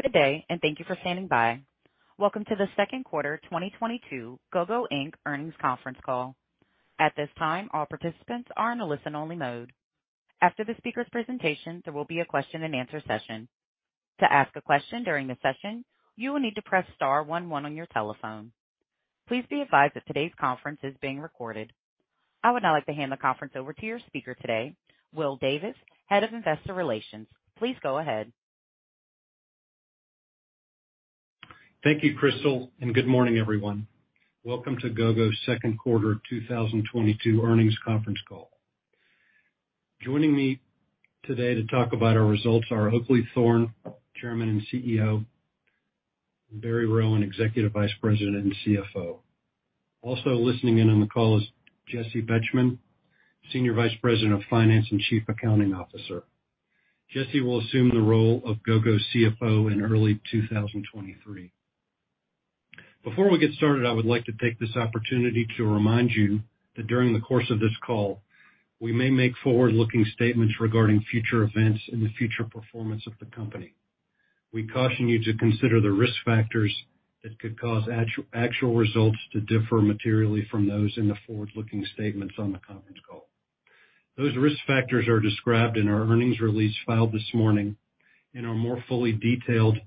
Good day, and thank you for standing by. Welcome to the Second Quarter 2022 Gogo Inc. Earnings Conference Call. At this time, all participants are in a listen-only mode. After the speaker's presentation, there will be a question-and-answer session. To ask a question during the session, you will need to press star one one on your telephone. Please be advised that today's conference is being recorded. I would now like to hand the conference over to your speaker today, William Davis, Head of Investor Relations. Please go ahead. Thank you, Crystal, and good morning, everyone. Welcome to Gogo's Second Quarter 2022 Earnings Conference Call. Joining me today to talk about our results are Oakleigh Thorne, Chairman and CEO, and Barry Rowan, Executive Vice President and CFO. Also listening in on the call is Jessi Betjemann, Senior Vice President of Finance and Chief Accounting Officer. Jessi will assume the role of Gogo's CFO in early 2023. Before we get started, I would like to take this opportunity to remind you that during the course of this call, we may make forward-looking statements regarding future events and the future performance of the company. We caution you to consider the risk factors that could cause actual results to differ materially from those in the forward-looking statements on the conference call. Those risk factors are described in our earnings release filed this morning and are more fully detailed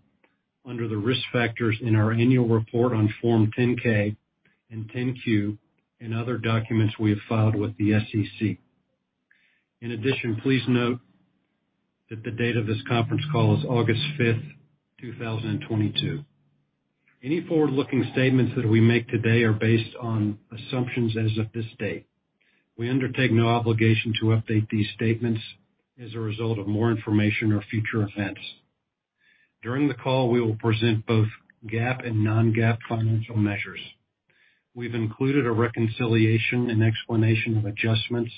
under the risk factors in our annual report on Form 10-K and 10-Q and other documents we have filed with the SEC. In addition, please note that the date of this conference call is August 5th, 2022. Any forward-looking statements that we make today are based on assumptions as of this date. We undertake no obligation to update these statements as a result of more information or future events. During the call, we will present both GAAP and non-GAAP financial measures. We've included a reconciliation and explanation of adjustments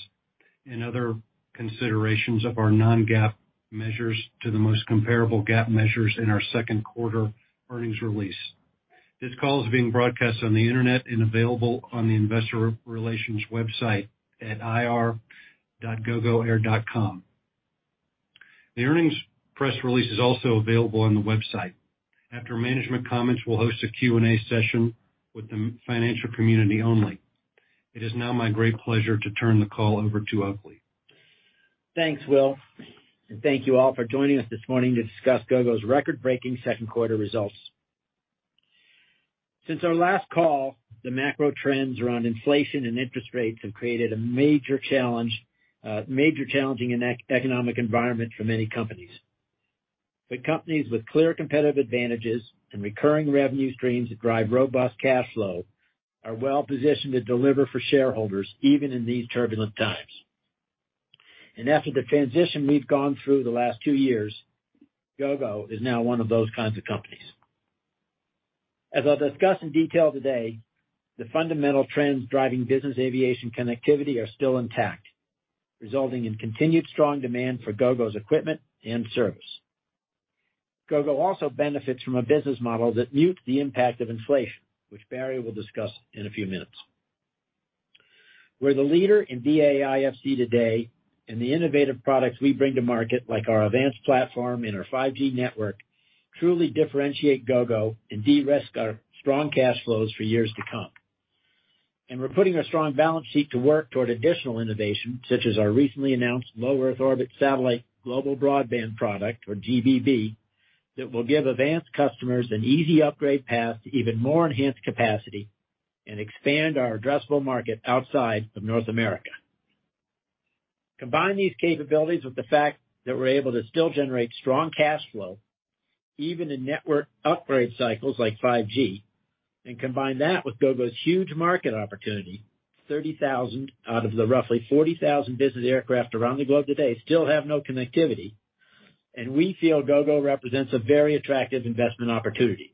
and other considerations of our non-GAAP measures to the most comparable GAAP measures in our second quarter earnings release. This call is being broadcast on the internet and available on the investor relations website at ir.gogoair.com. The earnings press release is also available on the website. After management comments, we'll host a Q&A session with the financial community only. It is now my great pleasure to turn the call over to Oakleigh. Thanks, Will, and thank you all for joining us this morning to discuss Gogo's record-breaking second quarter results. Since our last call, the macro trends around inflation and interest rates have created a major challenging and economic environment for many companies. Companies with clear competitive advantages and recurring revenue streams that drive robust cash flow are well-positioned to deliver for shareholders, even in these turbulent times. After the transition we've gone through the last two years, Gogo is now one of those kinds of companies. As I'll discuss in detail today, the fundamental trends driving business aviation connectivity are still intact, resulting in continued strong demand for Gogo's equipment and service. Gogo also benefits from a business model that mutes the impact of inflation, which Barry will discuss in a few minutes. We're the leader in BA IFC today, and the innovative products we bring to market, like our AVANCE platform and our 5G network, truly differentiate Gogo and de-risk our strong cash flows for years to come. We're putting our strong balance sheet to work toward additional innovation, such as our recently announced low-earth orbit satellite global broadband product, or GBB, that will give AVANCE customers an easy upgrade path to even more enhanced capacity and expand our addressable market outside of North America. Combine these capabilities with the fact that we're able to still generate strong cash flow, even in network upgrade cycles like 5G, and combine that with Gogo's huge market opportunity, 30,000 out of the roughly 40,000 business aircraft around the globe today still have no connectivity, and we feel Gogo represents a very attractive investment opportunity.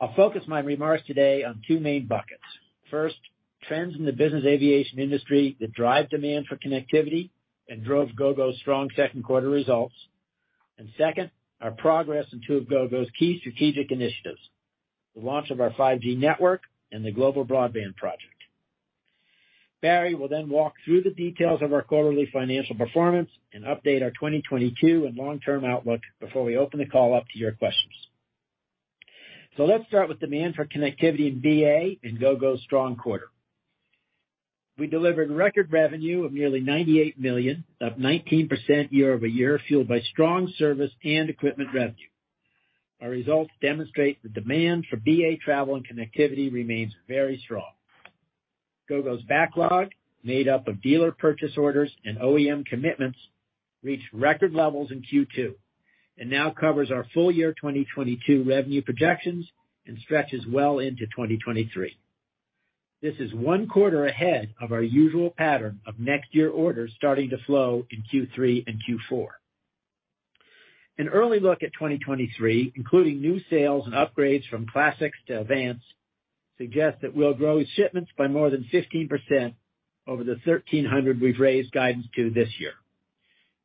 I'll focus my remarks today on two main buckets. First, trends in the business aviation industry that drive demand for connectivity and drove Gogo's strong second quarter results. second, our progress in two of Gogo's key strategic initiatives, the launch of our 5G network and the global broadband project. Barry will then walk through the details of our quarterly financial performance and update our 2022 and long-term outlook before we open the call up to your questions. let's start with demand for connectivity in BA and Gogo's strong quarter. We delivered record revenue of nearly $98 million, up 19% year-over-year, fueled by strong service and equipment revenue. Our results demonstrate the demand for BA travel and connectivity remains very strong. Gogo's backlog, made up of dealer purchase orders and OEM commitments, reached record levels in Q2 and now covers our full year 2022 revenue projections and stretches well into 2023. This is one quarter ahead of our usual pattern of next year orders starting to flow in Q3 and Q4. An early look at 2023, including new sales and upgrades from Classics to AVANCE, suggest that we'll grow shipments by more than 15% over the 1,300 we've raised guidance to this year.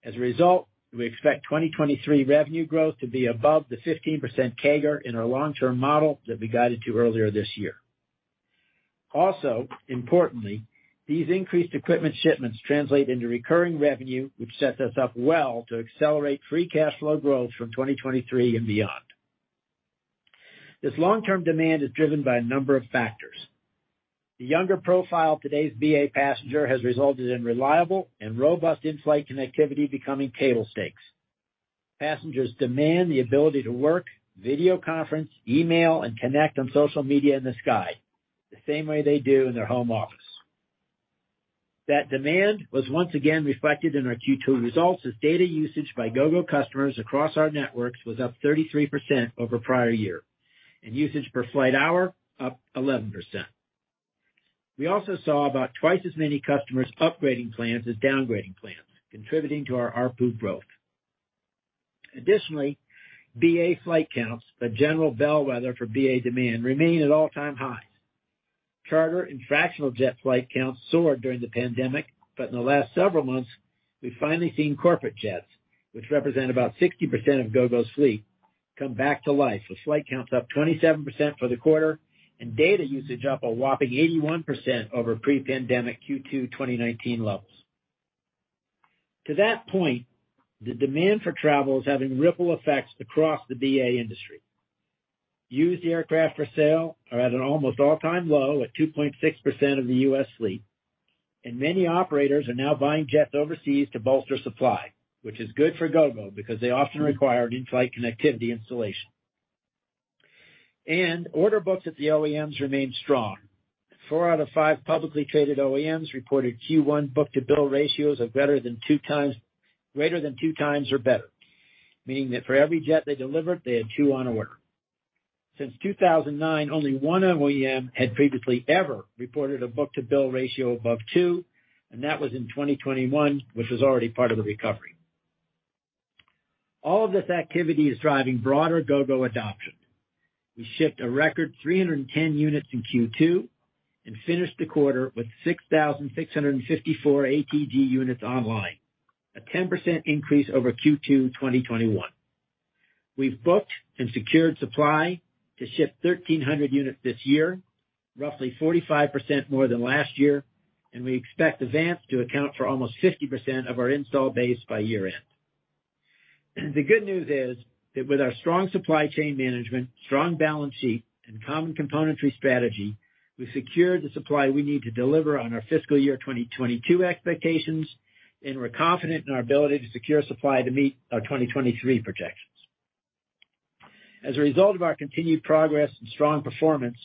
As a result, we expect 2023 revenue growth to be above the 15% CAGR in our long-term model that we guided to earlier this year. Also, importantly, these increased equipment shipments translate into recurring revenue, which sets us up well to accelerate free cash flow growth from 2023 and beyond. This long-term demand is driven by a number of factors. The younger profile of today's BA passenger has resulted in reliable and robust in-flight connectivity becoming table stakes. Passengers demand the ability to work, video conference, email, and connect on social media in the sky, the same way they do in their home office. That demand was once again reflected in our Q2 results as data usage by Gogo customers across our networks was up 33% over prior year, and usage per flight hour up 11%. We also saw about twice as many customers upgrading plans as downgrading plans, contributing to our ARPU growth. Additionally, BA flight counts, the general bellwether for BA demand, remain at all-time highs. Charter and fractional jet flight counts soared during the pandemic, but in the last several months, we've finally seen corporate jets, which represent about 60% of Gogo's fleet, come back to life with flight counts up 27% for the quarter and data usage up a whopping 81% over pre-pandemic Q2 2019 levels. To that point, the demand for travel is having ripple effects across the BA industry. Used aircraft for sale are at an almost all-time low at 2.6% of the U.S. fleet, and many operators are now buying jets overseas to bolster supply, which is good for Gogo because they often require an in-flight connectivity installation. Order books at the OEMs remain strong. Four out of five publicly traded OEMs reported Q1 book-to-bill ratios of better than 2x, greater than 2x or better, meaning that for every jet they delivered, they had two on order. Since 2009, only one OEM had previously ever reported a book-to-bill ratio above 2, and that was in 2021, which was already part of the recovery. All of this activity is driving broader Gogo adoption. We shipped a record 310 units in Q2 and finished the quarter with 6,654 ATG units online, a 10% increase over Q2 2021. We've booked and secured supply to ship 1,300 units this year, roughly 45% more than last year, and we expect AVANCE to account for almost 50% of our install base by year-end. The good news is that with our strong supply chain management, strong balance sheet, and common componentry strategy, we've secured the supply we need to deliver on our fiscal year 2022 expectations, and we're confident in our ability to secure supply to meet our 2023 projections. As a result of our continued progress and strong performance,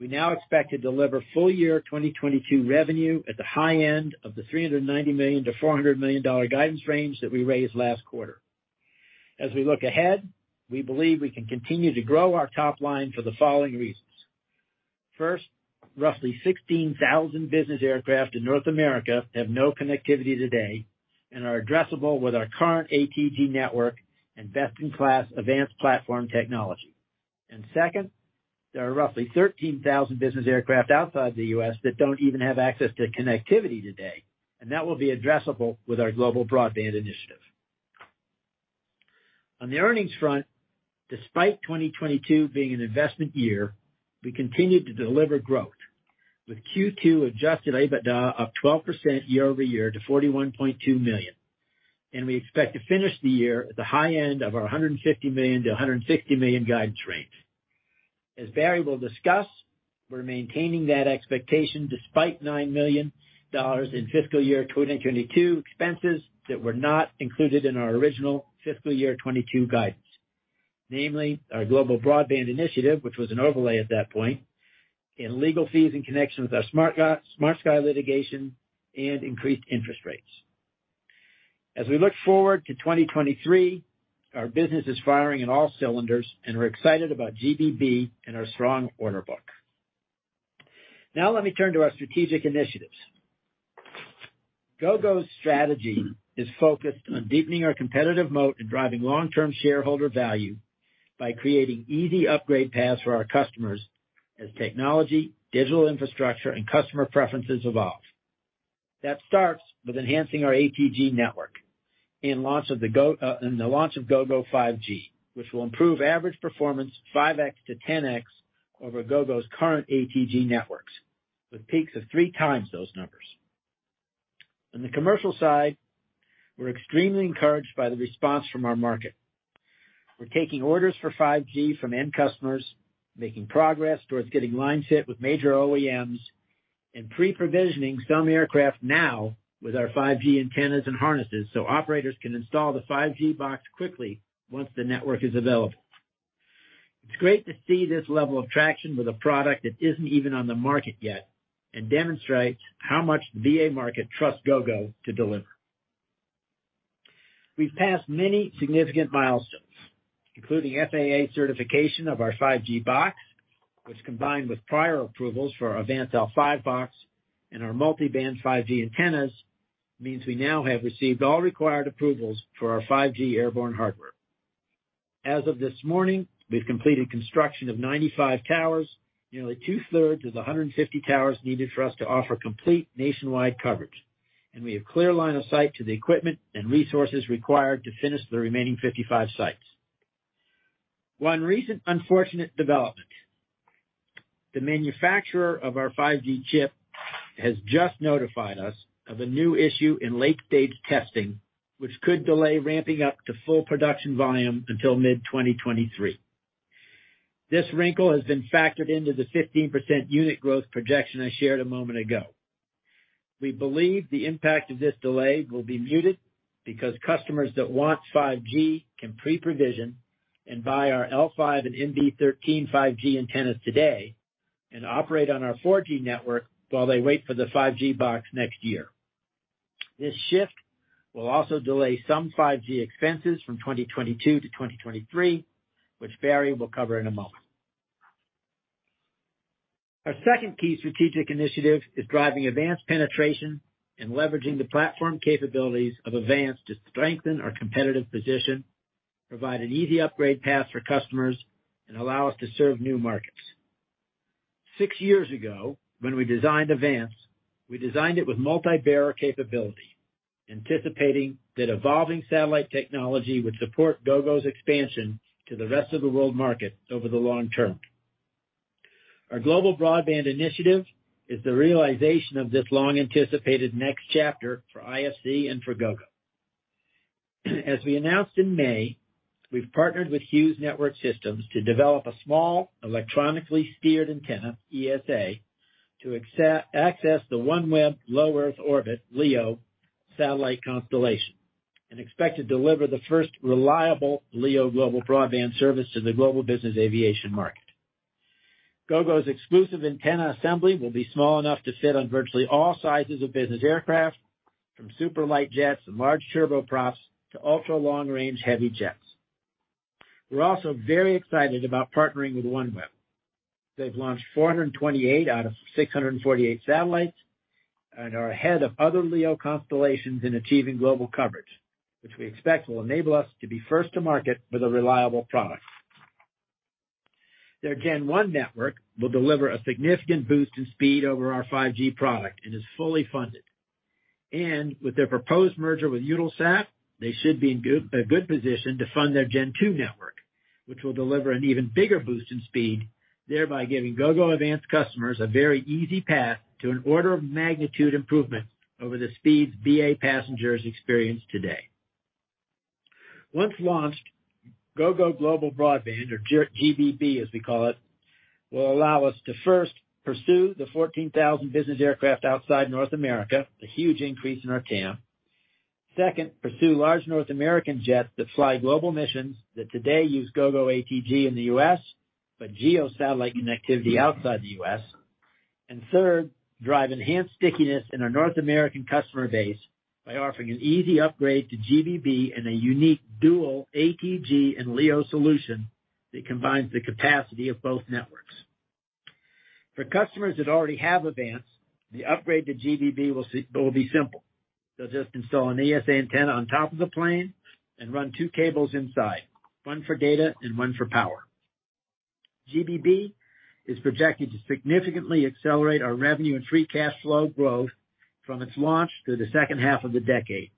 we now expect to deliver full year 2022 revenue at the high end of the $390 million-$400 million guidance range that we raised last quarter. As we look ahead, we believe we can continue to grow our top line for the following reasons. First, roughly 16,000 business aircraft in North America have no connectivity today and are addressable with our current ATG network and best-in-class AVANCE platform technology. Second, there are roughly 13,000 business aircraft outside the U.S. that don't even have access to connectivity today, and that will be addressable with our global broadband initiative. On the earnings front, despite 2022 being an investment year, we continued to deliver growth with Q2 adjusted EBITDA up 12% year-over-year to $41.2 million. We expect to finish the year at the high end of our $150 million-$160 million guidance range. As Barry will discuss, we're maintaining that expectation despite $9 million in fiscal year 2022 expenses that were not included in our original fiscal year 2022 guidance. Namely, our global broadband initiative, which was an overlay at that point, and legal fees in connection with our SmartSky litigation and increased interest rates. As we look forward to 2023, our business is firing on all cylinders, and we're excited about GBB and our strong order book. Now let me turn to our strategic initiatives. Gogo's strategy is focused on deepening our competitive moat and driving long-term shareholder value by creating easy upgrade paths for our customers as technology, digital infrastructure, and customer preferences evolve. That starts with enhancing our ATG network and the launch of Gogo 5G, which will improve average performance 5x-10x over Gogo's current ATG networks, with peaks of 3x those numbers. On the commercial side, we're extremely encouraged by the response from our market. We're taking orders for 5G from end customers, making progress towards getting line fit with major OEMs, and pre-provisioning some aircraft now with our 5G antennas and harnesses so operators can install the 5G box quickly once the network is available. It's great to see this level of traction with a product that isn't even on the market yet and demonstrates how much the BA market trusts Gogo to deliver. We've passed many significant milestones, including FAA certification of our 5G box, which, combined with prior approvals for our AVANCE L5 box and our multi-band 5G antennas, means we now have received all required approvals for our 5G airborne hardware. As of this morning, we've completed construction of 95 towers, nearly two-thirds of the 150 towers needed for us to offer complete nationwide coverage. We have clear line of sight to the equipment and resources required to finish the remaining 55 sites. One recent unfortunate development, the manufacturer of our 5G chip has just notified us of a new issue in late-stage testing, which could delay ramping up to full production volume until mid-2023. This wrinkle has been factored into the 15% unit growth projection I shared a moment ago. We believe the impact of this delay will be muted because customers that want 5G can pre-provision and buy our L5 and MB13 5G antennas today and operate on our 4G network while they wait for the 5G box next year. This shift will also delay some 5G expenses from 2022 to 2023, which Barry will cover in a moment. Our second key strategic initiative is driving AVANCE penetration and leveraging the platform capabilities of AVANCE to strengthen our competitive position, provide an easy upgrade path for customers, and allow us to serve new markets. Six years ago, when we designed AVANCE, we designed it with multi-bearer capability, anticipating that evolving satellite technology would support Gogo's expansion to the rest of the world market over the long term. Our global broadband initiative is the realization of this long-anticipated next chapter for IFC and for Gogo. As we announced in May, we've partnered with Hughes Network Systems to develop a small, electronically steered antenna, ESA, to access the OneWeb low-Earth orbit, LEO, satellite constellation, and expect to deliver the first reliable LEO global broadband service to the global business aviation market. Gogo's exclusive antenna assembly will be small enough to fit on virtually all sizes of business aircraft, from super light jets and large turboprops to ultra-long-range heavy jets. We're also very excited about partnering with OneWeb. They've launched 428 out of 648 satellites and are ahead of other LEO constellations in achieving global coverage, which we expect will enable us to be first to market with a reliable product. Their Gen One network will deliver a significant boost in speed over our 5G product and is fully funded. With their proposed merger with Eutelsat, they should be in a good position to fund their Gen Two network, which will deliver an even bigger boost in speed, thereby giving Gogo AVANCE customers a very easy path to an order of magnitude improvement over the speeds BA passengers experience today. Once launched, Gogo global broadband, or GBB, as we call it, will allow us to first pursue the 14,000 business aircraft outside North America, a huge increase in our TAM. Second, pursue large North American jets that fly global missions that today use Gogo ATG in the U.S., but GEO satellite connectivity outside the U.S. Third, drive enhanced stickiness in our North American customer base by offering an easy upgrade to GBB and a unique dual ATG and LEO solution that combines the capacity of both networks. For customers that already have AVANCE, the upgrade to GBB will be simple. They'll just install an ESA antenna on top of the plane and run two cables inside, one for data and one for power. GBB is projected to significantly accelerate our revenue and free cash flow growth from its launch through the second half of the decade,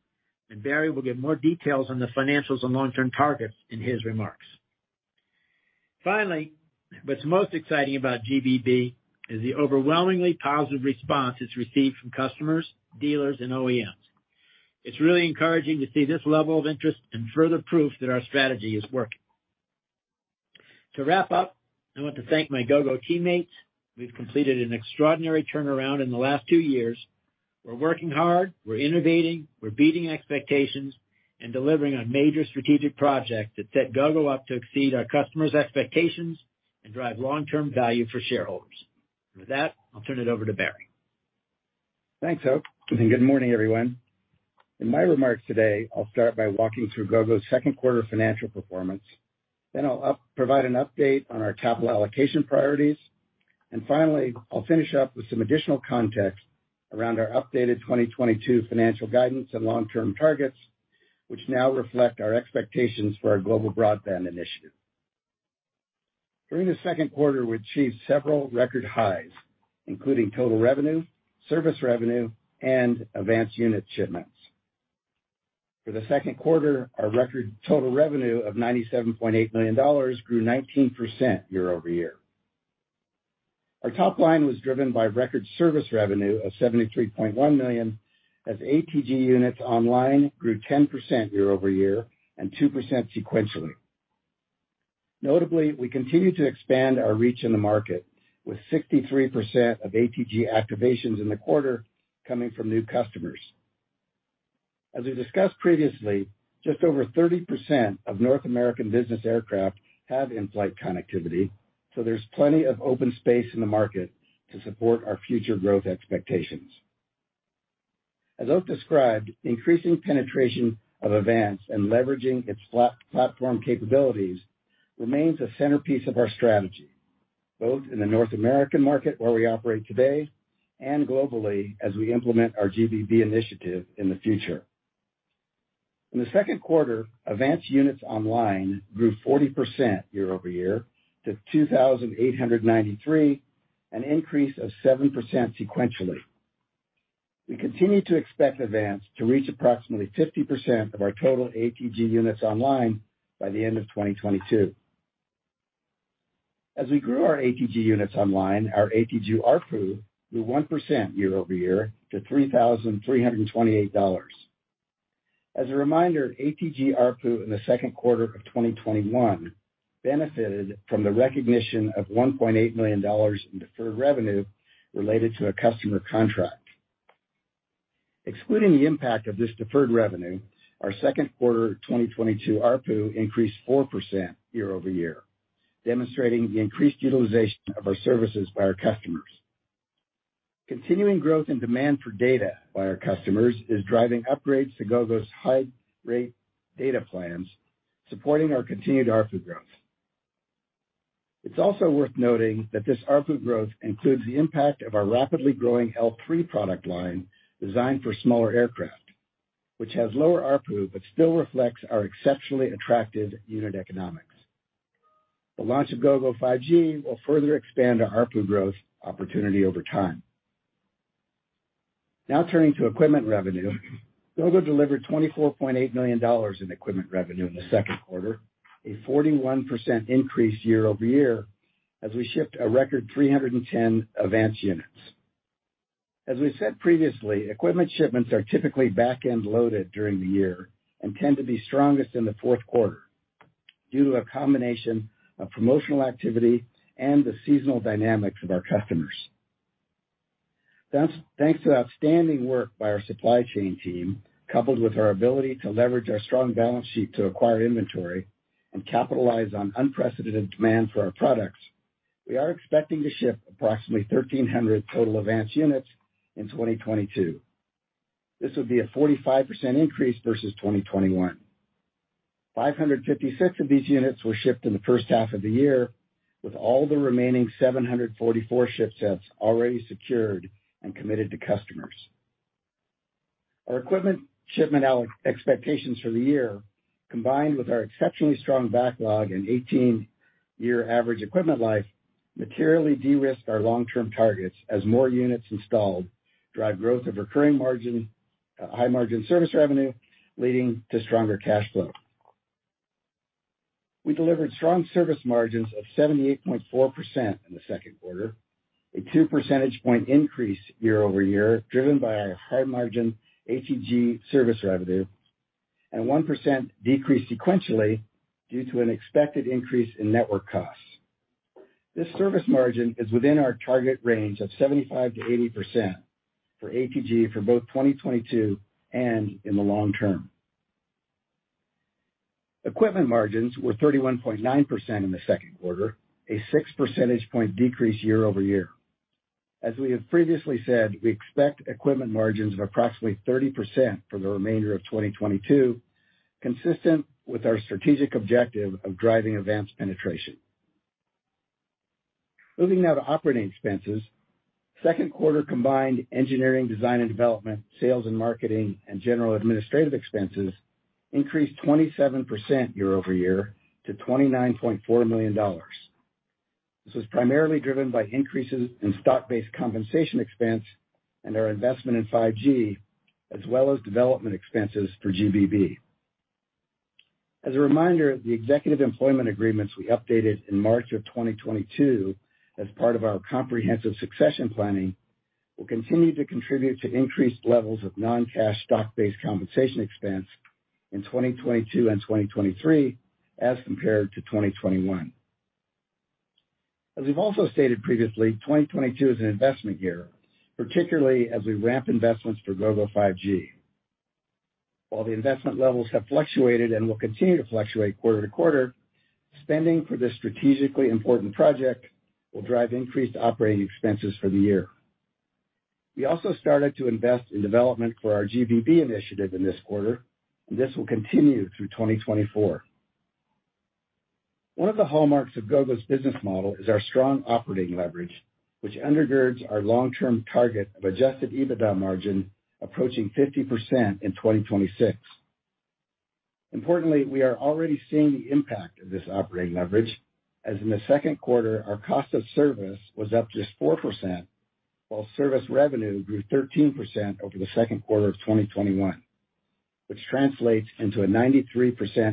and Barry will give more details on the financials and long-term targets in his remarks. Finally, what's most exciting about GBB is the overwhelmingly positive response it's received from customers, dealers, and OEMs. It's really encouraging to see this level of interest and further proof that our strategy is working. To wrap up, I want to thank my Gogo teammates. We've completed an extraordinary turnaround in the last two years. We're working hard, we're innovating, we're beating expectations and delivering on major strategic projects that set Gogo up to exceed our customers' expectations and drive long-term value for shareholders. With that, I'll turn it over to Barry. Thanks, Oak, and good morning, everyone. In my remarks today, I'll start by walking through Gogo's second quarter financial performance. Then I'll provide an update on our capital allocation priorities. Finally, I'll finish up with some additional context around our updated 2022 financial guidance and long-term targets, which now reflect our expectations for our global broadband initiative. During the second quarter, we achieved several record highs, including total revenue, service revenue, and AVANCE unit shipments. For the second quarter, our record total revenue of $97.8 million grew 19% year-over-year. Our top line was driven by record service revenue of $73.1 million, as ATG units online grew 10% year-over-year and 2% sequentially. Notably, we continue to expand our reach in the market, with 63% of ATG activations in the quarter coming from new customers. As we discussed previously, just over 30% of North American business aircraft have in-flight connectivity, so there's plenty of open space in the market to support our future growth expectations. As Oak described, increasing penetration of AVANCE and leveraging its platform capabilities remains a centerpiece of our strategy, both in the North American market where we operate today and globally as we implement our GBB initiative in the future. In the second quarter, AVANCE units online grew 40% year-over-year to 2,893, an increase of 7% sequentially. We continue to expect AVANCE to reach approximately 50% of our total ATG units online by the end of 2022. As we grew our ATG units online, our ATG ARPU grew 1% year-over-year to $3,328. As a reminder, ATG ARPU in the second quarter of 2021 benefited from the recognition of $1.8 million in deferred revenue related to a customer contract. Excluding the impact of this deferred revenue, our second quarter 2022 ARPU increased 4% year-over-year, demonstrating the increased utilization of our services by our customers. Continuing growth and demand for data by our customers is driving upgrades to Gogo's high rate data plans, supporting our continued ARPU growth. It's also worth noting that this ARPU growth includes the impact of our rapidly growing L3 product line designed for smaller aircraft, which has lower ARPU, but still reflects our exceptionally attractive unit economics. The launch of Gogo 5G will further expand our ARPU growth opportunity over time. Now turning to equipment revenue. Gogo delivered $24.8 million in equipment revenue in the second quarter, a 41% increase year-over-year as we shipped a record 310 AVANCE units. As we said previously, equipment shipments are typically back-end loaded during the year and tend to be strongest in the fourth quarter due to a combination of promotional activity and the seasonal dynamics of our customers. Thanks to outstanding work by our supply chain team, coupled with our ability to leverage our strong balance sheet to acquire inventory and capitalize on unprecedented demand for our products, we are expecting to ship approximately 1,300 total AVANCE units in 2022. This would be a 45% increase versus 2021. 556 of these units were shipped in the first half of the year, with all the remaining 744 ship sets already secured and committed to customers. Our equipment shipment exceeded expectations for the year, combined with our exceptionally strong backlog and 18-year average equipment life, materially de-risk our long-term targets as more units installed drive growth of recurring margin, high-margin service revenue, leading to stronger cash flow. We delivered strong service margins of 78.4% in the second quarter, a two percentage point increase year-over-year, driven by our high-margin ATG service revenue and 1% decrease sequentially due to an expected increase in network costs. This service margin is within our target range of 75%-80% for ATG for both 2022 and in the long term. Equipment margins were 31.9% in the second quarter, a 6 percentage point decrease year-over-year. As we have previously said, we expect equipment margins of approximately 30% for the remainder of 2022, consistent with our strategic objective of driving AVANCE penetration. Moving now to operating expenses. Second quarter combined engineering, design and development, sales and marketing, and general administrative expenses increased 27% year-over-year to $29.4 million. This was primarily driven by increases in stock-based compensation expense and our investment in 5G, as well as development expenses for GBB. As a reminder, the executive employment agreements we updated in March of 2022 as part of our comprehensive succession planning, will continue to contribute to increased levels of non-cash stock-based compensation expense in 2022 and 2023 as compared to 2021. As we've also stated previously, 2022 is an investment year, particularly as we ramp investments for Gogo 5G. While the investment levels have fluctuated and will continue to fluctuate quarter to quarter, spending for this strategically important project will drive increased operating expenses for the year. We also started to invest in development for our GBB initiative in this quarter, and this will continue through 2024. One of the hallmarks of Gogo's business model is our strong operating leverage, which undergirds our long-term target of adjusted EBITDA margin approaching 50% in 2026. Importantly, we are already seeing the impact of this operating leverage as in the second quarter, our cost of service was up just 4%, while service revenue grew 13% over the second quarter of 2021, which translates into a 93%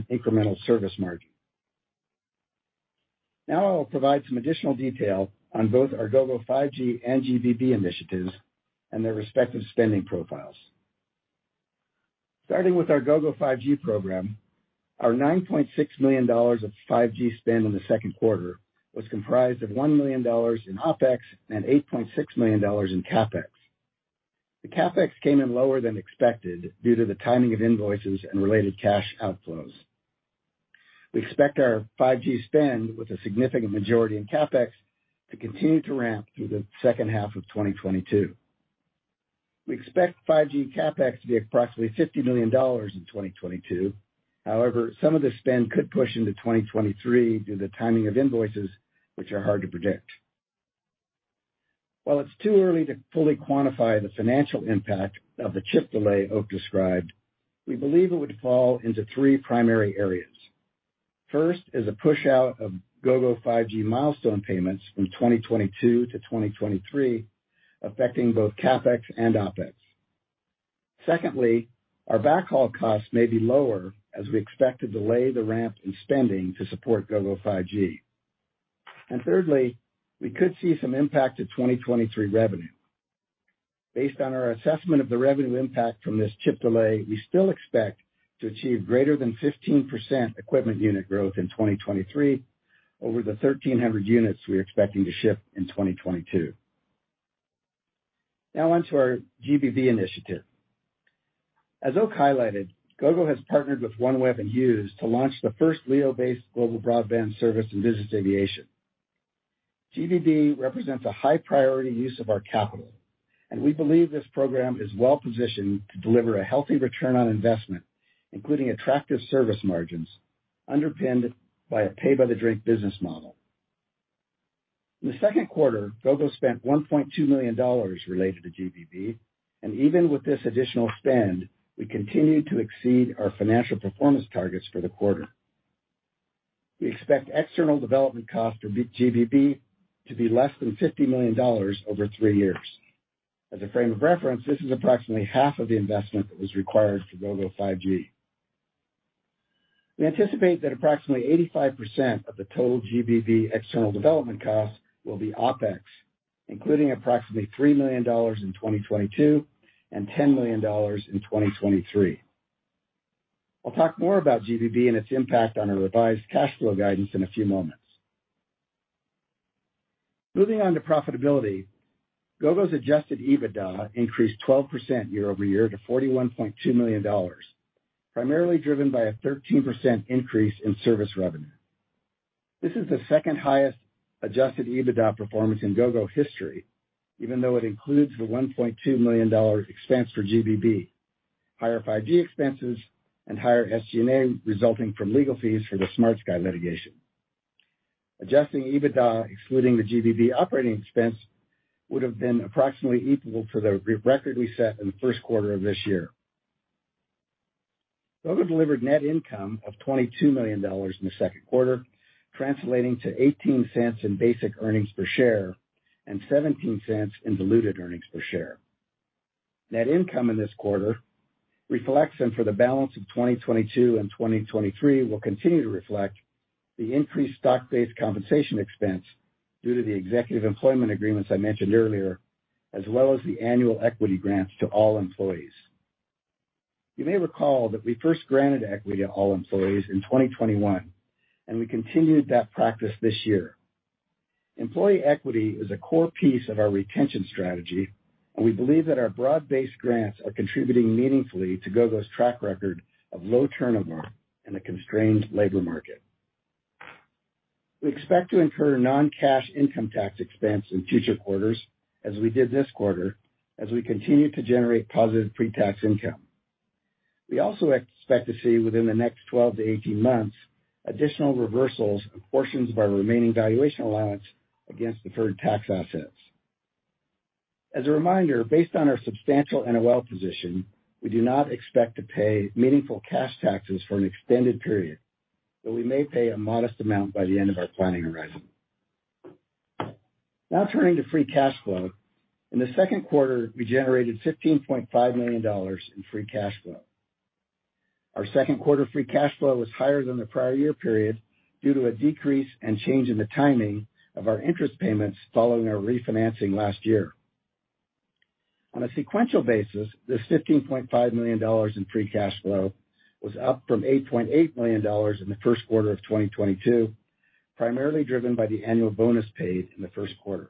incremental service margin. Now I'll provide some additional detail on both our Gogo 5G and GBB initiatives and their respective spending profiles. Starting with our Gogo 5G program, our $9.6 million of 5G spend in the second quarter was comprised of $1 million in OpEx and $8.6 million in CapEx. The CapEx came in lower than expected due to the timing of invoices and related cash outflows. We expect our 5G spend, with a significant majority in CapEx, to continue to ramp through the second half of 2022. We expect 5G CapEx to be approximately $50 million in 2022. However, some of the spend could push into 2023 due to the timing of invoices, which are hard to predict. While it's too early to fully quantify the financial impact of the chip delay Oak described, we believe it would fall into three primary areas. First is a push out of Gogo 5G milestone payments from 2022 to 2023, affecting both CapEx and OpEx. Secondly, our backhaul costs may be lower as we expect to delay the ramp in spending to support Gogo 5G. Thirdly, we could see some impact to 2023 revenue. Based on our assessment of the revenue impact from this chip delay, we still expect to achieve greater than 15% equipment unit growth in 2023 over the 1,300 units we are expecting to ship in 2022. Now on to our GBB initiative. As Oak highlighted, Gogo has partnered with OneWeb and Hughes to launch the first LEO-based global broadband service in business aviation. GBB represents a high priority use of our capital, and we believe this program is well-positioned to deliver a healthy return on investment, including attractive service margins underpinned by a pay-by-the-drink business model. In the second quarter, Gogo spent $1.2 million related to GBB, and even with this additional spend, we continued to exceed our financial performance targets for the quarter. We expect external development costs for GBB to be less than $50 million over three years. As a frame of reference, this is approximately half of the investment that was required for Gogo 5G. We anticipate that approximately 85% of the total GBB external development costs will be OpEx, including approximately $3 million in 2022, and $10 million in 2023. I'll talk more about GBB and its impact on our revised cash flow guidance in a few moments. Moving on to profitability. Gogo's adjusted EBITDA increased 12% year-over-year to $41.2 million, primarily driven by a 13% increase in service revenue. This is the second-highest adjusted EBITDA performance in Gogo history, even though it includes the $1.2 million expense for GBB, higher 5G expenses, and higher SG&A resulting from legal fees for the SmartSky litigation. Adjusted EBITDA excluding the GBB operating expense would have been approximately equal to the record we set in the first quarter of this year. Gogo delivered net income of $22 million in the second quarter, translating to $0.18 in basic earnings per share and $0.17 in diluted earnings per share. Net income in this quarter reflects, and for the balance of 2022 and 2023 will continue to reflect, the increased stock-based compensation expense due to the executive employment agreements I mentioned earlier, as well as the annual equity grants to all employees. You may recall that we first granted equity to all employees in 2021, and we continued that practice this year. Employee equity is a core piece of our retention strategy, and we believe that our broad-based grants are contributing meaningfully to Gogo's track record of low turnover in a constrained labor market. We expect to incur non-cash income tax expense in future quarters, as we did this quarter, as we continue to generate positive pre-tax income. We also expect to see, within the next 12 to 18 months, additional reversals of portions of our remaining valuation allowance against deferred tax assets. As a reminder, based on our substantial NOL position, we do not expect to pay meaningful cash taxes for an extended period, but we may pay a modest amount by the end of our planning horizon. Now turning to free cash flow. In the second quarter, we generated $15.5 million in free cash flow. Our second quarter free cash flow was higher than the prior year period due to a decrease and change in the timing of our interest payments following our refinancing last year. On a sequential basis, this $15.5 million in free cash flow was up from $8.8 million in the first quarter of 2022, primarily driven by the annual bonus paid in the first quarter.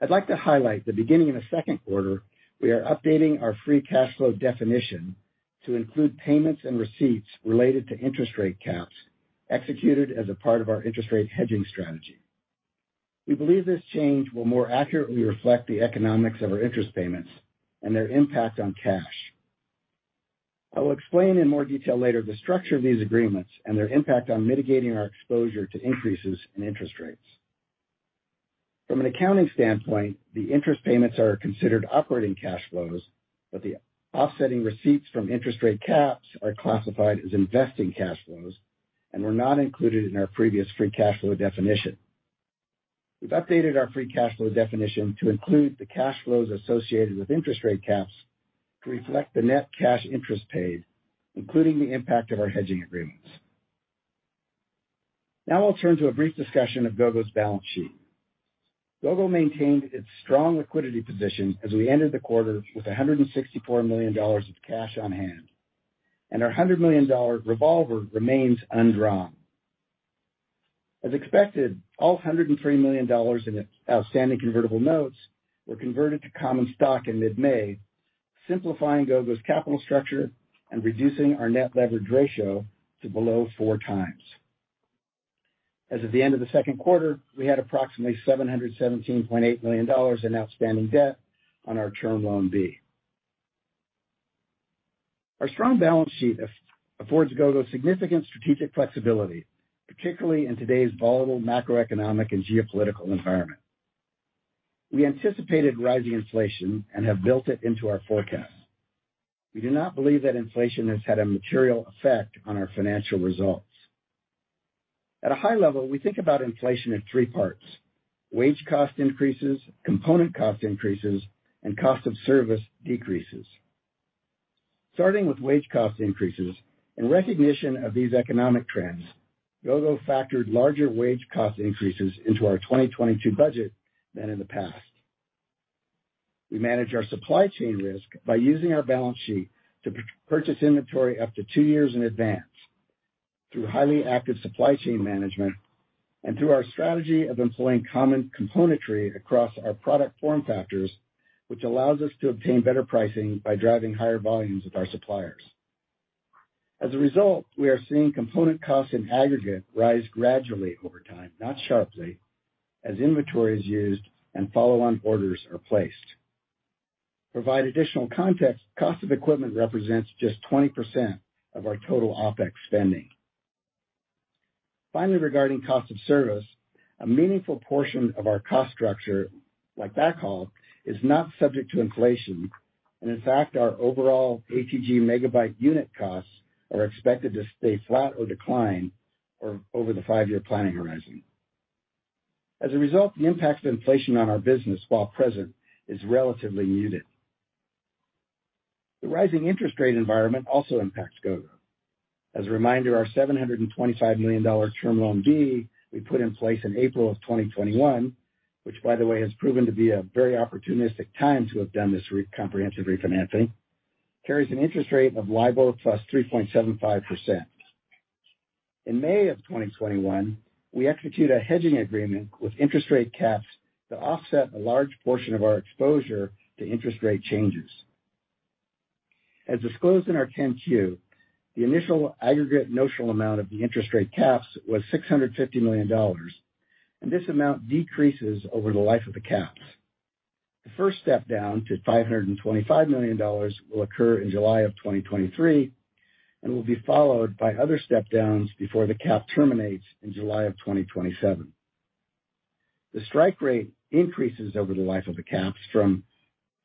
I'd like to highlight that beginning in the second quarter, we are updating our free cash flow definition to include payments and receipts related to interest rate caps executed as a part of our interest rate hedging strategy. We believe this change will more accurately reflect the economics of our interest payments and their impact on cash. I will explain in more detail later the structure of these agreements and their impact on mitigating our exposure to increases in interest rates. From an accounting standpoint, the interest payments are considered operating cash flows, but the offsetting receipts from interest rate caps are classified as investing cash flows and were not included in our previous free cash flow definition. We've updated our free cash flow definition to include the cash flows associated with interest rate caps to reflect the net cash interest paid, including the impact of our hedging agreements. Now I'll turn to a brief discussion of Gogo's balance sheet. Gogo maintained its strong liquidity position as we ended the quarter with $164 million of cash on hand, and our $100 million revolver remains undrawn. As expected, all $103 million in outstanding convertible notes were converted to common stock in mid-May, simplifying Gogo's capital structure and reducing our net leverage ratio to below four times. As of the end of the second quarter, we had approximately $717.8 million in outstanding debt on our Term Loan B. Our strong balance sheet affords Gogo significant strategic flexibility, particularly in today's volatile macroeconomic and geopolitical environment. We anticipated rising inflation and have built it into our forecast. We do not believe that inflation has had a material effect on our financial results. At a high level, we think about inflation in three parts, wage cost increases, component cost increases, and cost of service decreases. Starting with wage cost increases, in recognition of these economic trends, Gogo factored larger wage cost increases into our 2022 budget than in the past. We manage our supply chain risk by using our balance sheet to purchase inventory up to two years in advance through highly active supply chain management and through our strategy of employing common componentry across our product form factors, which allows us to obtain better pricing by driving higher volumes with our suppliers. As a result, we are seeing component costs in aggregate rise gradually over time, not sharply, as inventory is used and follow-on orders are placed. Provide additional context, cost of equipment represents just 20% of our total OpEx spending. Finally, regarding cost of service, a meaningful portion of our cost structure, like backhaul, is not subject to inflation, and in fact, our overall ATG megabyte unit costs are expected to stay flat or decline over the five-year planning horizon. As a result, the impact of inflation on our business, while present, is relatively muted. The rising interest rate environment also impacts Gogo. As a reminder, our $725 million Term Loan B we put in place in April 2021, which by the way has proven to be a very opportunistic time to have done this comprehensive refinancing, carries an interest rate of LIBOR plus 3.75%. In May 2021, we execute a hedging agreement with interest rate caps to offset a large portion of our exposure to interest rate changes. As disclosed in our 10-Q, the initial aggregate notional amount of the interest rate caps was $650 million, and this amount decreases over the life of the caps. The first step down to $525 million will occur in July 2023, and will be followed by other step downs before the cap terminates in July 2027. The strike rate increases over the life of the caps from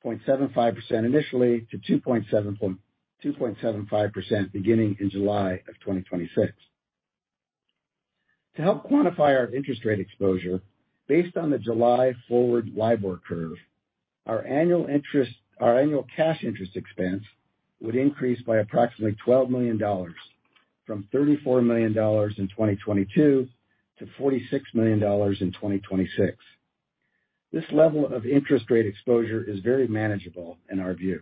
0.75% initially to 2.75% beginning in July 2026. To help quantify our interest rate exposure based on the July forward LIBOR curve, our annual cash interest expense would increase by approximately $12 million from $34 million in 2022 to $46 million in 2026. This level of interest rate exposure is very manageable in our view.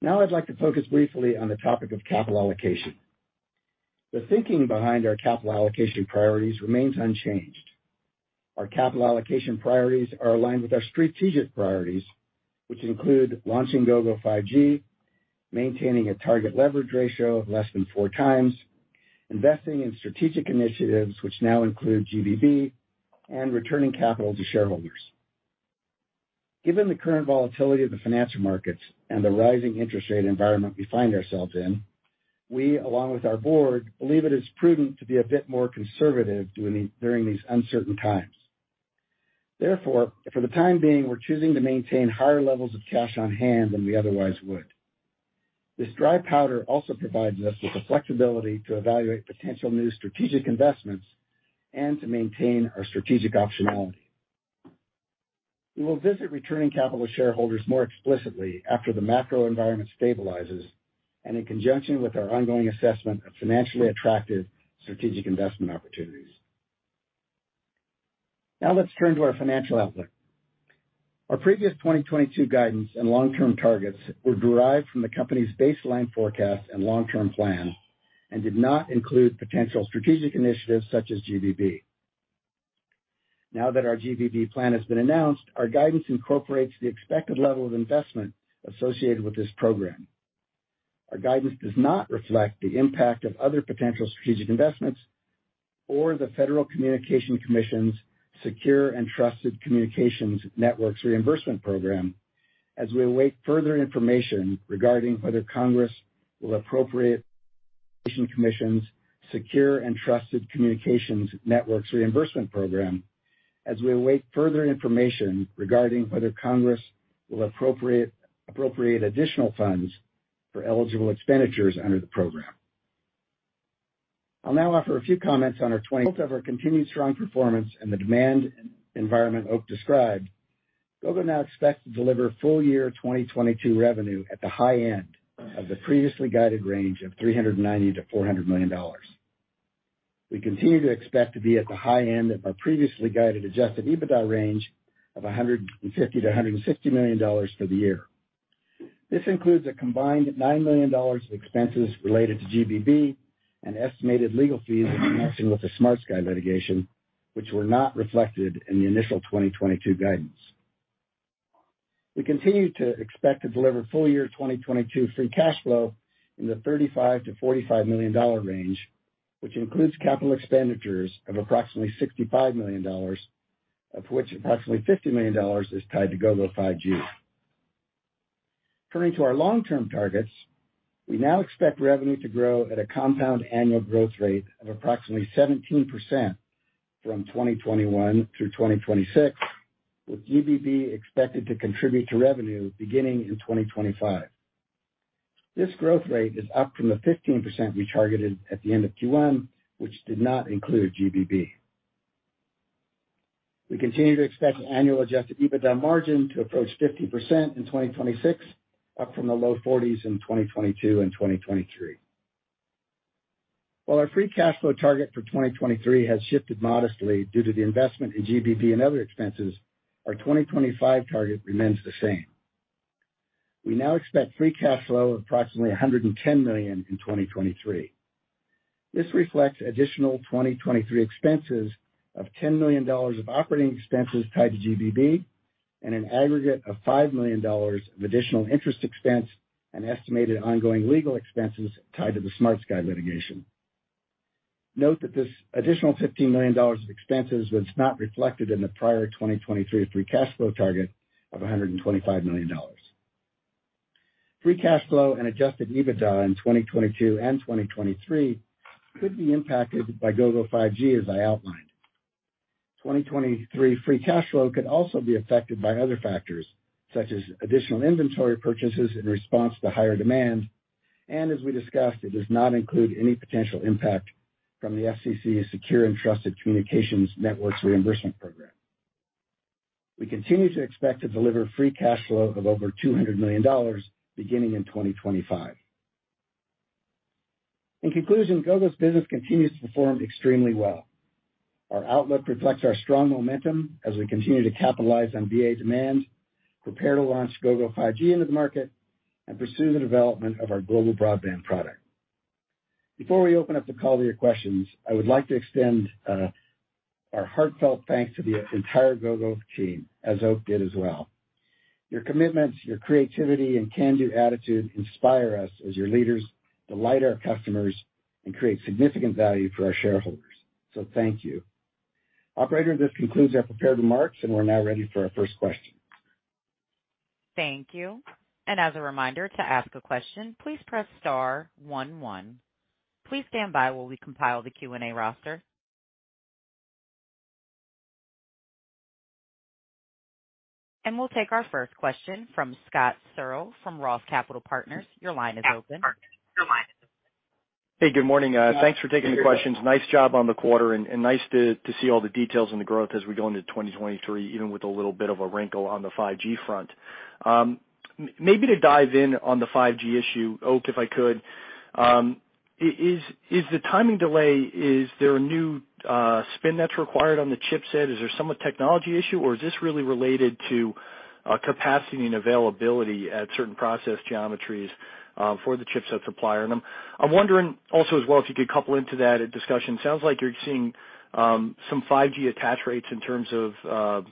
Now I'd like to focus briefly on the topic of capital allocation. The thinking behind our capital allocation priorities remains unchanged. Our capital allocation priorities are aligned with our strategic priorities, which include launching Gogo 5G, maintaining a target leverage ratio of less than 4x, investing in strategic initiatives, which now include GBB, and returning capital to shareholders. Given the current volatility of the financial markets and the rising interest rate environment we find ourselves in, we, along with our board, believe it is prudent to be a bit more conservative during these uncertain times. Therefore, for the time being, we're choosing to maintain higher levels of cash on hand than we otherwise would. This dry powder also provides us with the flexibility to evaluate potential new strategic investments and to maintain our strategic optionality. We will visit returning capital to shareholders more explicitly after the macro environment stabilizes and in conjunction with our ongoing assessment of financially attractive strategic investment opportunities. Now let's turn to our financial outlook. Our previous 2022 guidance and long-term targets were derived from the company's baseline forecast and long-term plan and did not include potential strategic initiatives such as GBB. Now that our GBB plan has been announced, our guidance incorporates the expected level of investment associated with this program. Our guidance does not reflect the impact of other potential strategic investments or the Federal Communications Commission's Secure and Trusted Communications Networks Reimbursement Program as we await further information regarding whether Congress will appropriate additional commissions, secure and trusted communications networks reimbursement program as we await further information regarding whether Congress will appropriate additional funds for eligible expenditures under the program. I'll now offer a few comments on both of our continued strong performance and the demand environment Oak described. Gogo now expects to deliver full-year 2022 revenue at the high end of the previously guided range of $390 million-$400 million. We continue to expect to be at the high end of our previously guided adjusted EBITDA range of $150 million-$160 million for the year. This includes a combined $9 million of expenses related to GBB and estimated legal fees in connection with the SmartSky litigation, which were not reflected in the initial 2022 guidance. We continue to expect to deliver full-year 2022 free cash flow in the $35 million-$45 million range, which includes capital expenditures of approximately $65 million, of which approximately $50 million is tied to Gogo 5G. Turning to our long-term targets, we now expect revenue to grow at a compound annual growth rate of approximately 17% from 2021 through 2026, with GBB expected to contribute to revenue beginning in 2025. This growth rate is up from the 15% we targeted at the end of Q1, which did not include GBB. We continue to expect annual adjusted EBITDA margin to approach 50% in 2026, up from the low 40s in 2022 and 2023. While our free cash flow target for 2023 has shifted modestly due to the investment in GBB and other expenses, our 2025 target remains the same. We now expect free cash flow of approximately $110 million in 2023. This reflects additional 2023 expenses of $10 million of operating expenses tied to GBB and an aggregate of $5 million of additional interest expense and estimated ongoing legal expenses tied to the SmartSky litigation. Note that this additional $15 million of expenses was not reflected in the prior 2023 free cash flow target of $125 million. Free cash flow and adjusted EBITDA in 2022 and 2023 could be impacted by Gogo 5G, as I outlined. 2023 free cash flow could also be affected by other factors, such as additional inventory purchases in response to higher demand. As we discussed, it does not include any potential impact from the FCC's Secure and Trusted Communications Networks reimbursement program. We continue to expect to deliver free cash flow of over $200 million beginning in 2025. In conclusion, Gogo's business continues to perform extremely well. Our outlook reflects our strong momentum as we continue to capitalize on BA demand, prepare to launch Gogo 5G into the market, and pursue the development of our global broadband product. Before we open up the call to your questions, I would like to extend our heartfelt thanks to the entire Gogo team, as Oak did as well. Your commitment, your creativity, and can-do attitude inspire us as your leaders, delight our customers, and create significant value for our shareholders. Thank you. Operator, this concludes our prepared remarks, and we're now ready for our first question. Thank you. As a reminder, to ask a question, please press star one one. Please stand by while we compile the Q&A roster. We'll take our first question from Scott Searle from ROTH Capital Partners. Your line is open. Hey, good morning. Thanks for taking the questions. Nice job on the quarter and nice to see all the details on the growth as we go into 2023, even with a little bit of a wrinkle on the 5G front. Maybe to dive in on the 5G issue, Oak, if I could. Is the timing delay, is there a new spin that's required on the chipset? Is there some technology issue, or is this really related to capacity and availability at certain process geometries for the chipset supplier? I'm wondering also as well, if you could couple into that a discussion. Sounds like you're seeing some 5G attach rates in terms of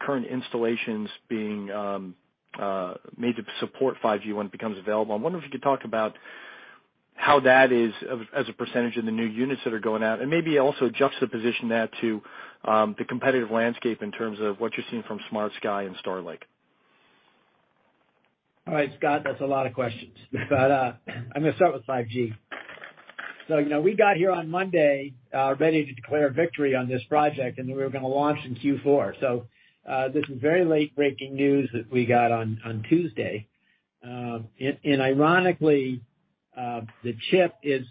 current installations being made to support 5G when it becomes available. I wonder if you could talk about how that is of, as a percentage of the new units that are going out, and maybe also juxtaposition that to, the competitive landscape in terms of what you're seeing from SmartSky Networks and Starlink. All right, Scott, that's a lot of questions. I'm gonna start with 5G. You know, we got here on Monday, ready to declare victory on this project, and then we were gonna launch in Q4. This is very late-breaking news that we got on Tuesday. Ironically, the chip is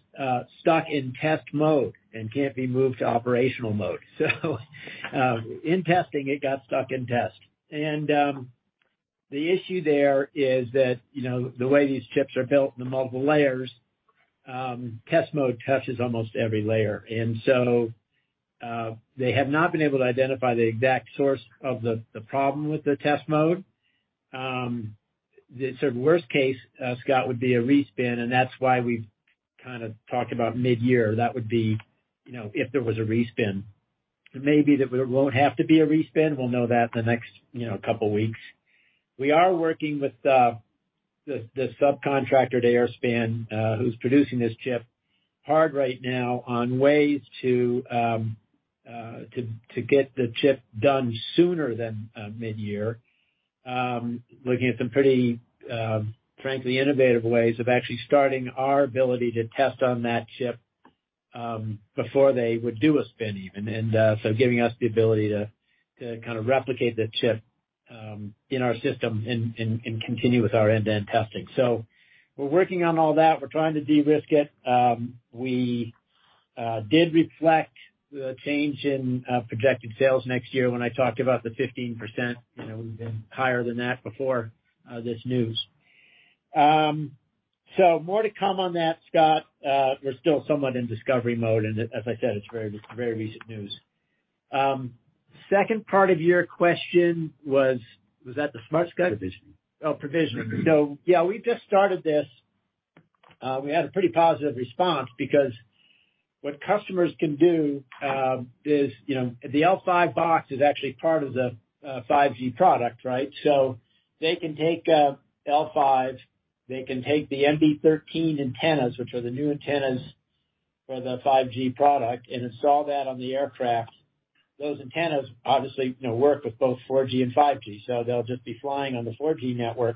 stuck in test mode and can't be moved to operational mode. In testing, it got stuck in test. The issue there is that, you know, the way these chips are built in the multiple layers, test mode touches almost every layer. They have not been able to identify the exact source of the problem with the test mode. The sort of worst case, Scott, would be a respin and that's why we've kind of talked about midyear. That would be, you know, if there was a respin. It may be that it won't have to be a respin. We'll know that in the next, you know, couple weeks. We are working with the subcontractor at Airspan, who's producing this chip, hard right now on ways to get the chip done sooner than midyear. Looking at some pretty, frankly, innovative ways of actually starting our ability to test on that chip before they would do a spin even, giving us the ability to kind of replicate the chip in our system and continue with our end-to-end testing. We're working on all that. We're trying to de-risk it. We did reflect the change in projected sales next year when I talked about the 15%, you know, we've been higher than that before, this news. So more to come on that, Scott. We're still somewhat in discovery mode, and as I said, it's very, very recent news. Second part of your question was that the SmartSky? Provisioning. Oh, provisioning. Yeah, we've just started this. We had a pretty positive response because what customers can do is, you know, the L5 box is actually part of the 5G product, right? They can take a L5, they can take the MB-13 antennas, which are the new antennas for the 5G product and install that on the aircraft. Those antennas obviously, you know, work with both 4G and 5G. They'll just be flying on the 4G network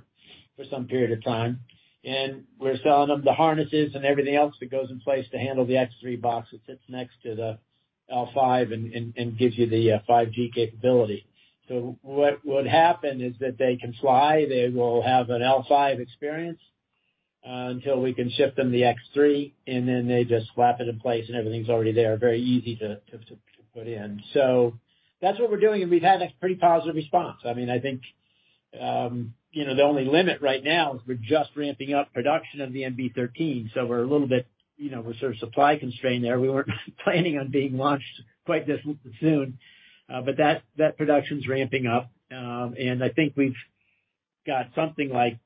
for some period of time, and we're selling them the harnesses and everything else that goes in place to handle the X3 box that sits next to the L5 and gives you the 5G capability. What would happen is that they can fly. They will have an L5 experience until we can ship them the X3, and then they just slap it in place and everything's already there. Very easy to put in. That's what we're doing, and we've had a pretty positive response. I mean, I think you know, the only limit right now is we're just ramping up production of the MB-13. We're a little bit you know, we're sort of supply constrained there. We weren't planning on being launched quite this soon, but that production's ramping up. I think we've got something like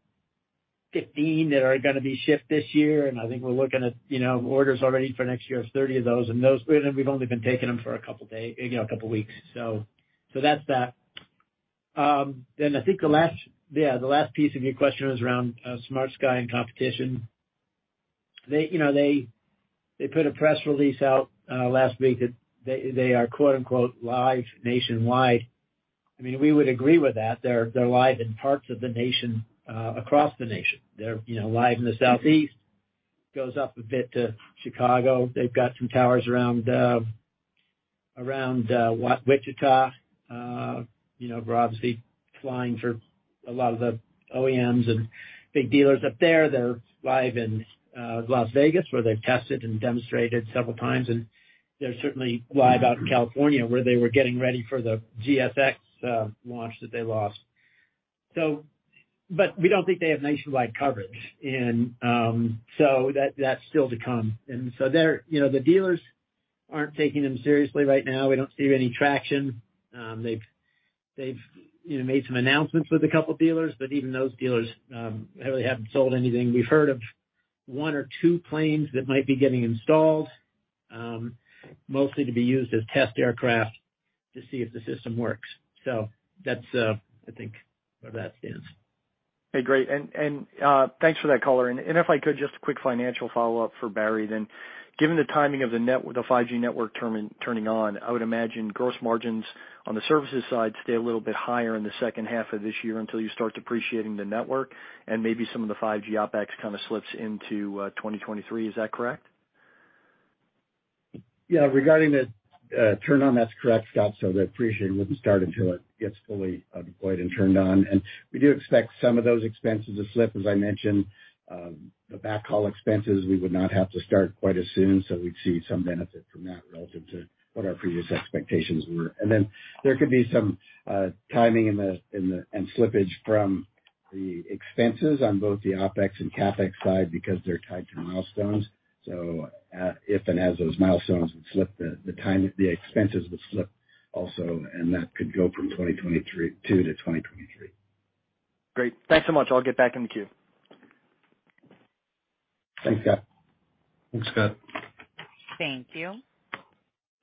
15 that are gonna be shipped this year. I think we're looking at you know, orders already for next year of 30 of those. Those, we've only been taking them for a couple days, you know, a couple weeks. That's that. I think the last piece of your question was around SmartSky and competition. They, you know, put a press release out last week that they are, quote-unquote, "Live nationwide." I mean, we would agree with that. They're live in parts of the nation across the nation. They're, you know, live in the southeast, goes up a bit to Chicago. They've got some towers around Wichita. You know, we're obviously flying for a lot of the OEMs and big dealers up there. They're live in Las Vegas, where they've tested and demonstrated several times, and they're certainly live out in California, where they were getting ready for the GFX launch that they lost. But we don't think they have nationwide coverage and that's still to come. They're, you know, the dealers aren't taking them seriously right now. We don't see any traction. They've, you know, made some announcements with a couple dealers, but even those dealers really haven't sold anything. We've heard of one or two planes that might be getting installed, mostly to be used as test aircraft to see if the system works. That's, I think where that stands. Hey, great. Thanks for that color. If I could, just a quick financial follow-up for Barry then. Given the timing of the 5G network turning on, I would imagine gross margins on the services side stay a little bit higher in the second half of this year until you start depreciating the network and maybe some of the 5G OpEx kind of slips into 2023. Is that correct? Yeah. Regarding the turn on, that's correct, Scott. The depreciation wouldn't start until it gets fully deployed and turned on. We do expect some of those expenses to slip. As I mentioned, the backhaul expenses, we would not have to start quite as soon. We'd see some benefit from that relative to what our previous expectations were. Then there could be some timing and slippage from the expenses on both the OpEx and CapEx side because they're tied to milestones. If and as those milestones would slip, the expenses would slip also, and that could go from 2022 to 2023. Great. Thanks so much. I'll get back in the queue. Thanks, Scott. Thanks, Scott. Thank you.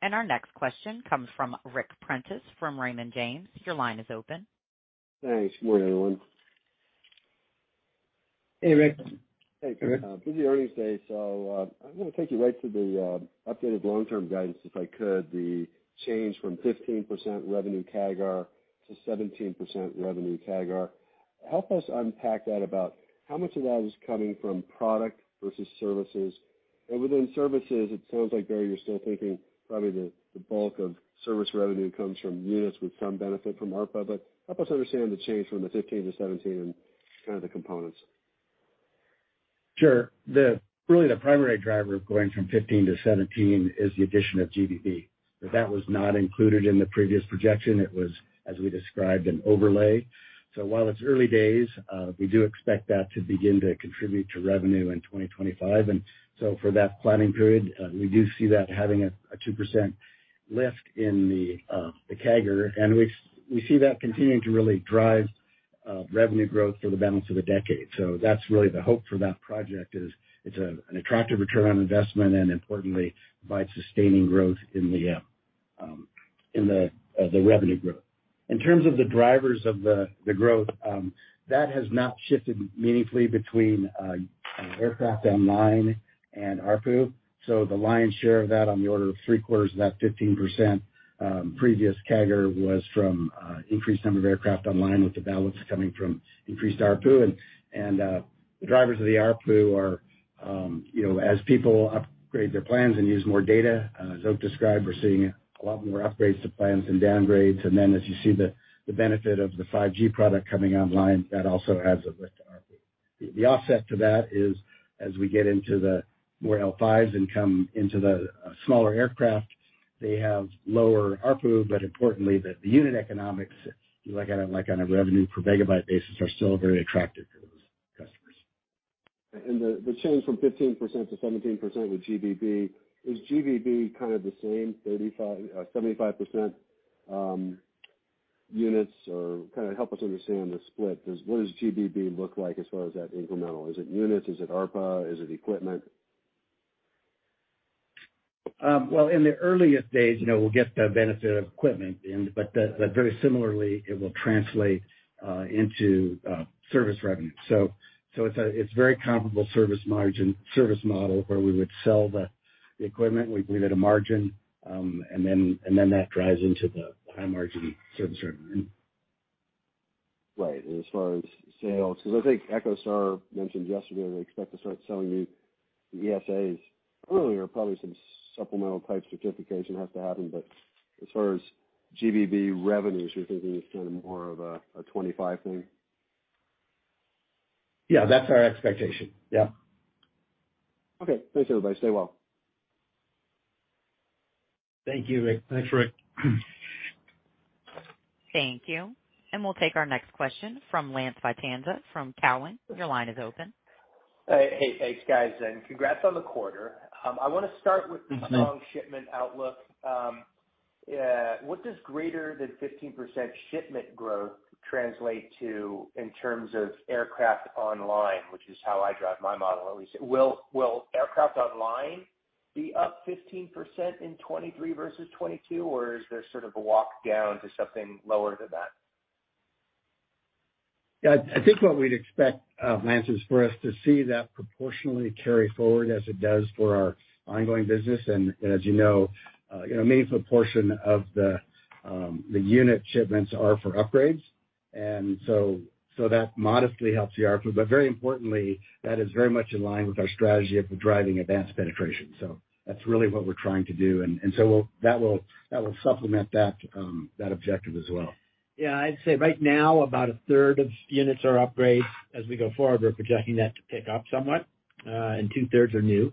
Our next question comes from Ric Prentiss from Raymond James. Your line is open. Thanks. Good morning, everyone. Hey, Ric. Hey, Ric. Busy earnings day, I'm gonna take you right to the updated long-term guidance, if I could, the change from 15% revenue CAGR to 17% revenue CAGR. Help us unpack that about how much of that is coming from product versus services. Within services, it sounds like, Barry, you're still thinking probably the bulk of service revenue comes from units with some benefit from ARPU. Help us understand the change from the 15 to 17 and kind of the components. Sure. The really primary driver of going from 15%-17% is the addition of GBB. That was not included in the previous projection. It was, as we described, an overlay. While it's early days, we do expect that to begin to contribute to revenue in 2025. For that planning period, we do see that having a 2% lift in the CAGR. We see that continuing to really drive revenue growth for the balance of the decade. That's really the hope for that project is it's an attractive return on investment, and importantly, by sustaining growth in the revenue growth. In terms of the drivers of the growth, that has not shifted meaningfully between aircraft online and ARPU. The lion's share of that on the order of three-quarters of that 15%, previous CAGR was from increased number of aircraft online, with the balance coming from increased ARPU. The drivers of the ARPU are, you know, as people upgrade their plans and use more data, as Oak described, we're seeing a lot more upgrades to plans than downgrades. As you see the benefit of the 5G product coming online, that also adds a lift to ARPU. The offset to that is as we get into the more L5s and come into the smaller aircraft, they have lower ARPU, but importantly, the unit economics, like on a revenue per MB basis, are still very attractive for those customers. The change from 15% to 17% with GBB, is GBB kind of the same 35%, 75% units? Or kind of help us understand the split. What does GBB look like as far as that incremental? Is it units? Is it ARPU? Is it equipment? Well, in the earliest days, you know, we'll get the benefit of equipment in, but very similarly, it will translate into service revenue. It's very comparable service margin, service model where we would sell the equipment, we get a margin, and then that drives into the high margin service revenue. Right. As far as sales, because I think EchoStar mentioned yesterday they expect to start selling new ESAs earlier, probably some supplemental type certification has to happen, but as far as GBB revenues, you're thinking it's kind of more of a 25 thing? Yeah, that's our expectation. Yeah. Okay. Thanks, everybody. Stay well. Thank you, Ric. Thanks, Ric. Thank you. We'll take our next question from Lance Vitanza from Cowen. Your line is open. Hey, thanks, guys, and congrats on the quarter. I wanna start with the strong shipment outlook. Yeah, what does greater than 15% shipment growth translate to in terms of aircraft online, which is how I drive my model at least? Will aircraft online be up 15% in 2023 versus 2022, or is there sort of a walk down to something lower than that? Yeah. I think what we'd expect, Lance, is for us to see that proportionally carry forward as it does for our ongoing business. As you know, you know, a meaningful portion of the unit shipments are for upgrades. That modestly helps the output. But very importantly, that is very much in line with our strategy of driving AVANCE penetration. That's really what we're trying to do. That will supplement that objective as well. Yeah. I'd say right now about 1/3 of units are upgrades. As we go forward, we're projecting that to pick up somewhat, and 2/3 are new.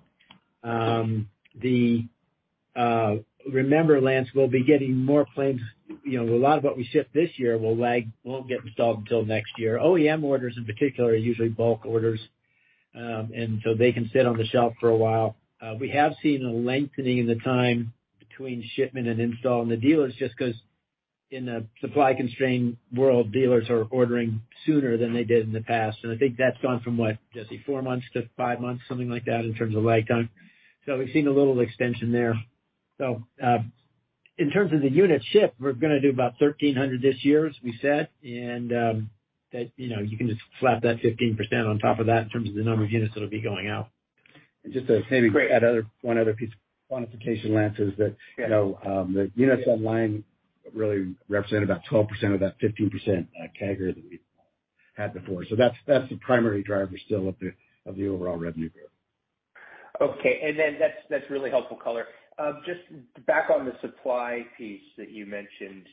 Remember, Lance, we'll be getting more planes. You know, a lot of what we ship this year will lag, won't get installed until next year. OEM orders in particular are usually bulk orders, and so they can sit on the shelf for a while. We have seen a lengthening in the time between shipment and install in the dealers, just 'cause in a supply constrained world, dealers are ordering sooner than they did in the past. I think that's gone from what, Jesse? Four months to five months, something like that in terms of lag time. We've seen a little extension there. In terms of the units shipped, we're gonna do about 1,300 this year, as we said. That, you know, you can just slap that 15% on top of that in terms of the number of units that'll be going out. Just to maybe add one other piece of quantification, Lance, is that. Yeah. You know, the units online really represent about 12% of that 15% CAGR that we've had before. That's the primary driver still of the overall revenue growth. Okay. That's really helpful color. Just back on the supply piece that you mentioned,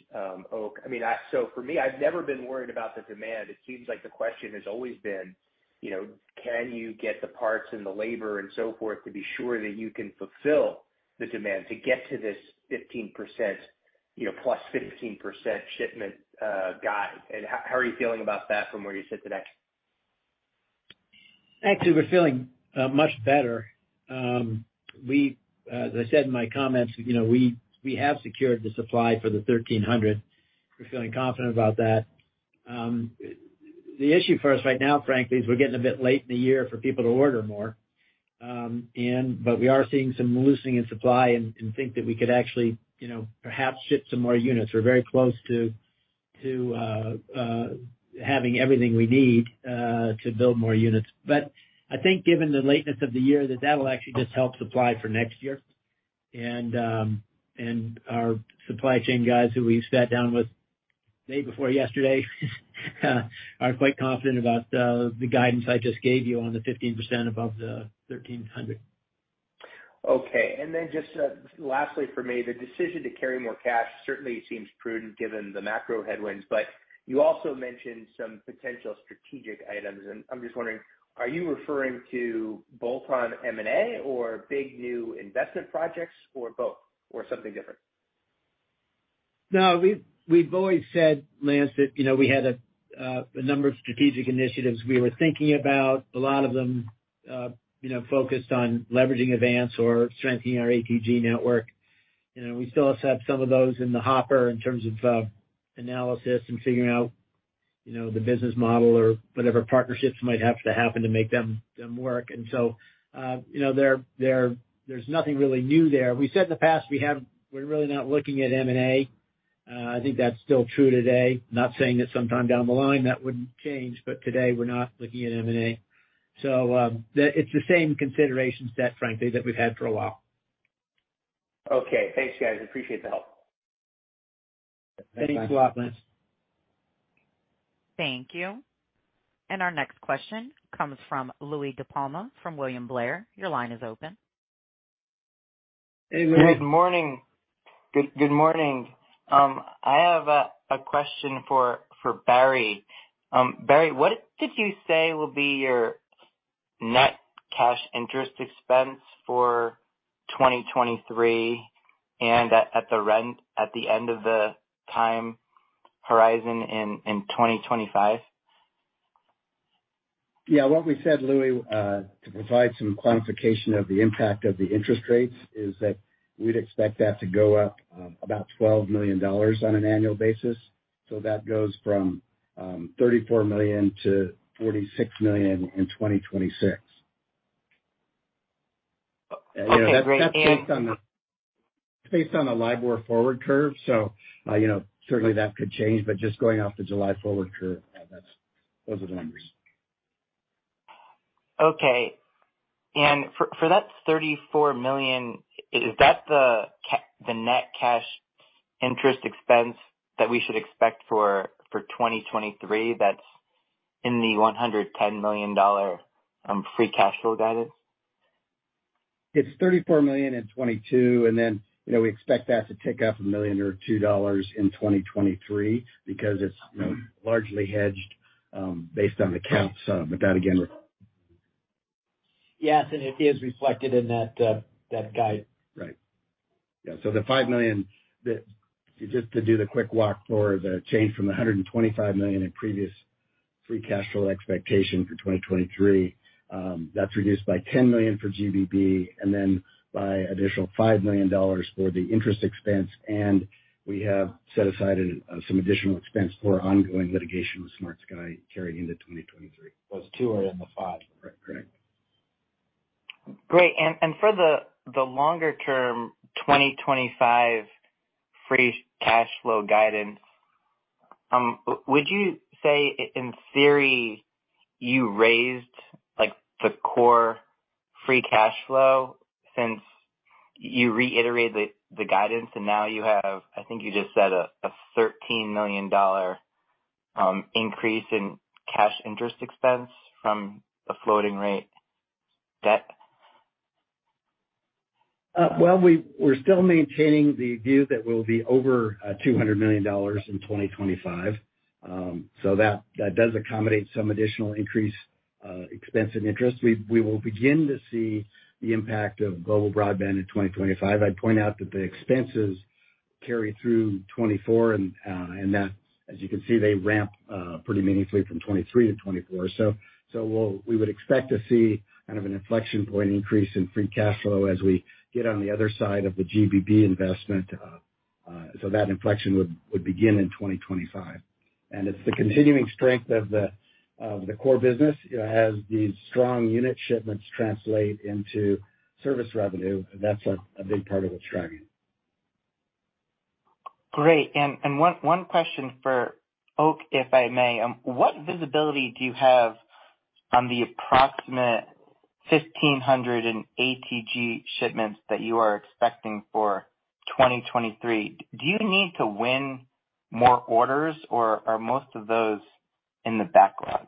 Oak. I mean, so for me, I've never been worried about the demand. It seems like the question has always been, you know, can you get the parts and the labor and so forth to be sure that you can fulfill the demand to get to this 15%, you know, +15% shipment guide? How are you feeling about that from where you sit today? Actually, we're feeling much better. As I said in my comments, you know, we have secured the supply for the 1,300. We're feeling confident about that. The issue for us right now, frankly, is we're getting a bit late in the year for people to order more. We are seeing some loosening in supply and think that we could actually, you know, perhaps ship some more units. We're very close to having everything we need to build more units. I think given the lateness of the year, that that'll actually just help supply for next year. Our supply chain guys who we sat down with day before yesterday are quite confident about the guidance I just gave you on the 15% above the 1,300. Okay. Just, lastly for me, the decision to carry more cash certainly seems prudent given the macro headwinds, but you also mentioned some potential strategic items, and I'm just wondering, are you referring to bolt-on M&A or big new investment projects or both or something different? No, we've always said, Lance, that, you know, we had a number of strategic initiatives we were thinking about. A lot of them, you know, focused on leveraging AVANCE or strengthening our ATG network. You know, we still have some of those in the hopper in terms of analysis and figuring out, you know, the business model or whatever partnerships might have to happen to make them work. You know, there's nothing really new there. We said in the past, we're really not looking at M&A. I think that's still true today. Not saying that sometime down the line that wouldn't change, but today we're not looking at M&A. It's the same consideration set, frankly, that we've had for a while. Okay. Thanks, guys. Appreciate the help. Thanks. Thank you a lot, Lance. Thank you. Our next question comes from Louie DiPalma from William Blair. Your line is open. Hey, Louie. Good morning. I have a question for Barry. Barry, what did you say will be your net cash interest expense for 2023 and at the end of the time horizon in 2025? What we said, Louie, to provide some quantification of the impact of the interest rates is that we'd expect that to go up, about $12 million on an annual basis. That goes from $34 million to $46 million in 2026. Okay, great. That's based on the LIBOR forward curve. You know, certainly that could change, but just going off the July forward curve, those are the numbers. Okay. For that $34 million, is that the net cash interest expense that we should expect for 2023 that's in the $110 million free cash flow guidance? It's $34 million in 2022, and then, you know, we expect that to tick up $1 million or $2 million in 2023 because it's, you know, largely hedged based on the counts. But that again. Yes, it is reflected in that guide. Right. Yeah, the $5 million that just to do the quick walk through of the change from the $125 million in previous free cash flow expectation for 2023, that's reduced by $10 million for GBB and then by additional $5 million for the interest expense. We have set aside some additional expense for ongoing litigation with SmartSky Networks carrying into 2023. Those two are in the five. Right. Correct. Great. For the longer term 2025 free cash flow guidance, would you say in theory, you raised like the core free cash flow since you reiterated the guidance and now you have, I think you just said a $13 million increase in cash interest expense from the floating rate debt? Well, we're still maintaining the view that we'll be over $200 million in 2025. That does accommodate some additional increase, expense and interest. We will begin to see the impact of global broadband in 2025. I'd point out that the expenses carry through 2024 and that as you can see, they ramp pretty meaningfully from 2023 to 2024. We'll we would expect to see kind of an inflection point increase in free cash flow as we get on the other side of the GBB investment. That inflection would begin in 2025. It's the continuing strength of the core business, you know, as these strong unit shipments translate into service revenue. That's a big part of what's driving it. Great. One question for Oak, if I may. What visibility do you have on the approximate 1,500 in ATG shipments that you are expecting for 2023? Do you need to win more orders or are most of those in the backlog?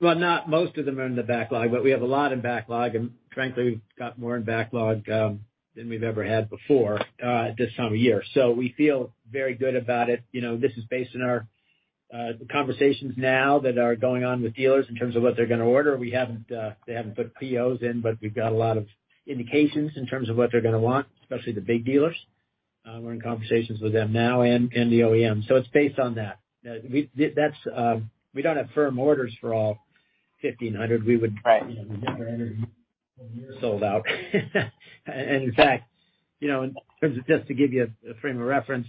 Well, not most of them are in the backlog, but we have a lot in backlog. Frankly, we've got more in backlog than we've ever had before this time of year. We feel very good about it. You know, this is based on our conversations now that are going on with dealers in terms of what they're gonna order. We haven't, they haven't put POs in, but we've got a lot of indications in terms of what they're gonna want, especially the big dealers. We're in conversations with them now and the OEM. It's based on that. Now, that's, we don't have firm orders for all 1,500. We would. Right. You know, we think we're sold out. In fact, you know, in terms of, just to give you a frame of reference,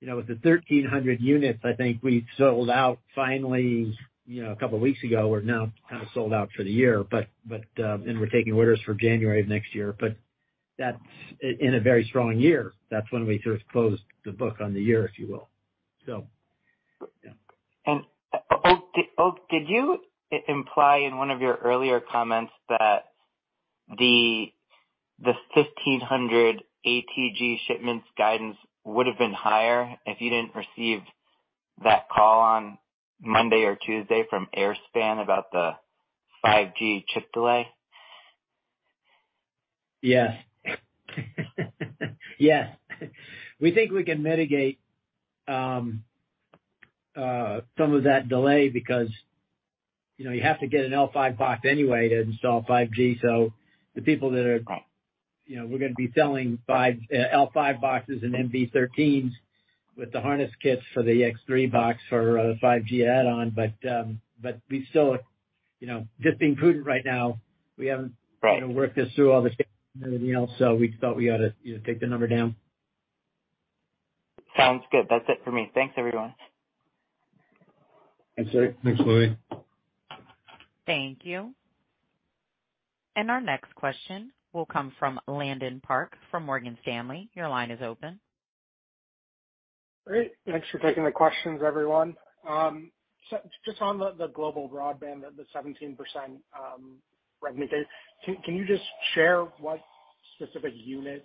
you know, with the 1,300 units, I think we sold out finally, you know, a couple of weeks ago. We're now kind of sold out for the year, but, and we're taking orders for January of next year, but that's in a very strong year. That's when we sort of closed the book on the year, if you will. Yeah. Oak, did you imply in one of your earlier comments that the 1,500 ATG shipments guidance would have been higher if you didn't receive that call on Monday or Tuesday from Airspan about the 5G chip delay? Yes. We think we can mitigate some of that delay because, you know, you have to get an L5 box anyway to install 5G. The people that are, you know, we're gonna be selling 5G L5 boxes and MB-13s with the harness kits for the X3 box for 5G add-on. We still are, you know, just being prudent right now, we haven't. Right. You know, worked this through all the and everything else, so we thought we ought to, you know, take the number down. Sounds good. That's it for me. Thanks, everyone. Thanks, Louie. Thanks, Louie. Thank you. Our next question will come from Landon Park from Morgan Stanley. Your line is open. Great. Thanks for taking the questions, everyone. Just on the global broadband, the 17% revenue guide, can you just share what specific unit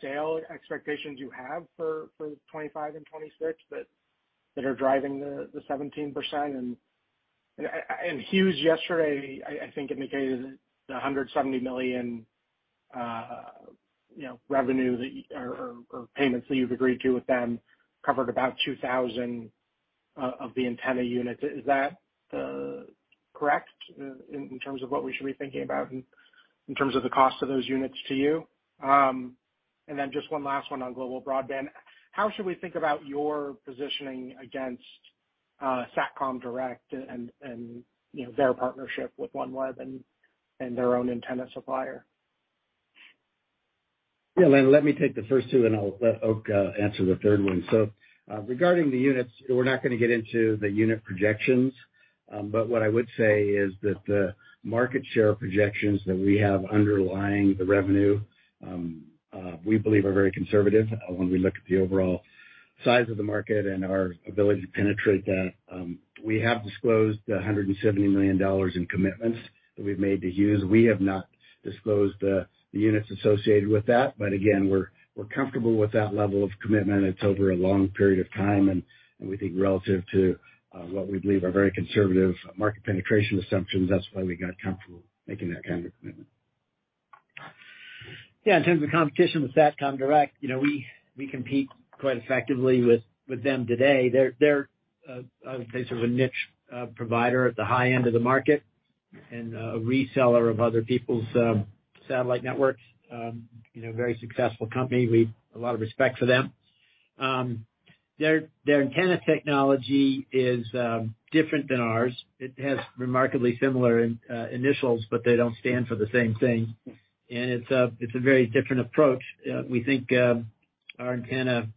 sale expectations you have for 2025 and 2026 that are driving the 17%? Hughes yesterday, I think indicated that the $170 million, you know, revenue or payments that you've agreed to with them covered about 2,000 of the antenna units. Is that correct in terms of what we should be thinking about in terms of the cost of those units to you? Just one last one on global broadband. How should we think about your positioning against Satcom Direct and, you know, their partnership with OneWeb and their own antenna supplier. Yeah, Landon, let me take the first two, and I'll let Oak answer the third one. Regarding the units, we're not gonna get into the unit projections. But what I would say is that the market share projections that we have underlying the revenue, we believe are very conservative when we look at the overall size of the market and our ability to penetrate that. We have disclosed $170 million in commitments that we've made to Hughes. We have not disclosed the units associated with that, but again, we're comfortable with that level of commitment. It's over a long period of time, and we think relative to what we believe are very conservative market penetration assumptions, that's why we got comfortable making that kind of commitment. Yeah. In terms of competition with Satcom Direct, you know, we compete quite effectively with them today. They're a niche provider at the high end of the market and a reseller of other people's satellite networks. You know, very successful company. We have a lot of respect for them. Their antenna technology is different than ours. It has remarkably similar initials, but they don't stand for the same thing. And it's a very different approach. We think our antenna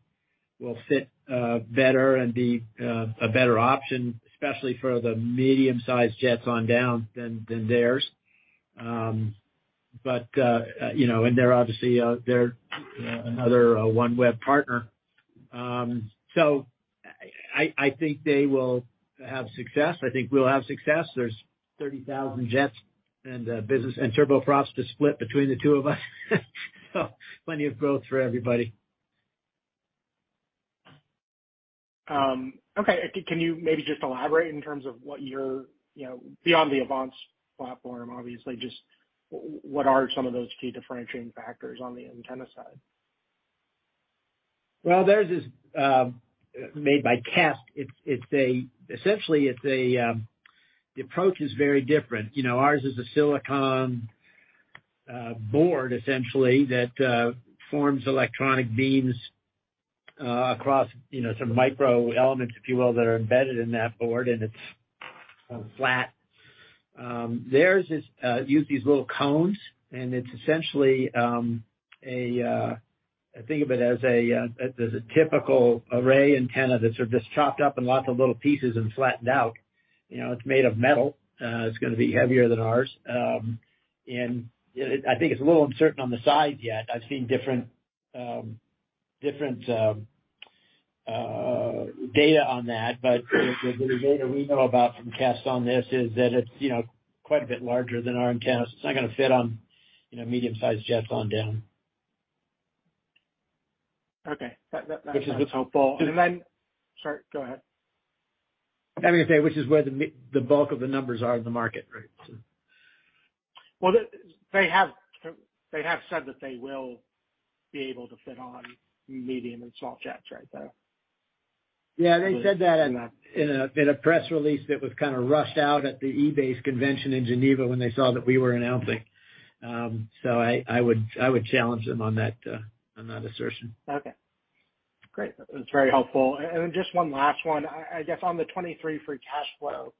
will fit better and be a better option, especially for the medium-sized jets on down, than theirs. But you know, and they're obviously another OneWeb partner. So I think they will have success. I think we'll have success. There's 30,000 jets and business and turboprops to split between the two of us. Plenty of growth for everybody. Okay. Can you maybe just elaborate in terms of what you're you know, beyond the AVANCE platform, obviously, just what are some of those key differentiating factors on the antenna side? Well, theirs is made by [Kymeta]. Essentially, the approach is very different. You know, ours is a silicon board essentially that forms electronic beams across, you know, some micro elements, if you will, that are embedded in that board, and it's flat. Theirs is use these little cones, and it's essentially a think of it as a typical array antenna that's sort of just chopped up in lots of little pieces and flattened out. You know, it's made of metal. It's gonna be heavier than ours. And I think it's a little uncertain on the size yet. I've seen different data on that. The data we know about from [Kymeta] on this is that it's, you know, quite a bit larger than our antenna. It's not gonna fit on, you know, medium-sized jets on down. Okay. That. Which is. That's helpful. Sorry, go ahead. I was gonna say, which is where the bulk of the numbers are in the market, right? So. Well, they have said that they will be able to fit on medium and small jets, right, though? Yeah. They said that in a press release that was kind of rushed out at the EBACE convention in Geneva when they saw that we were announcing. I would challenge them on that assertion. Okay. Great. That's very helpful. Then just one last one. I guess on the 2023 free cash flow,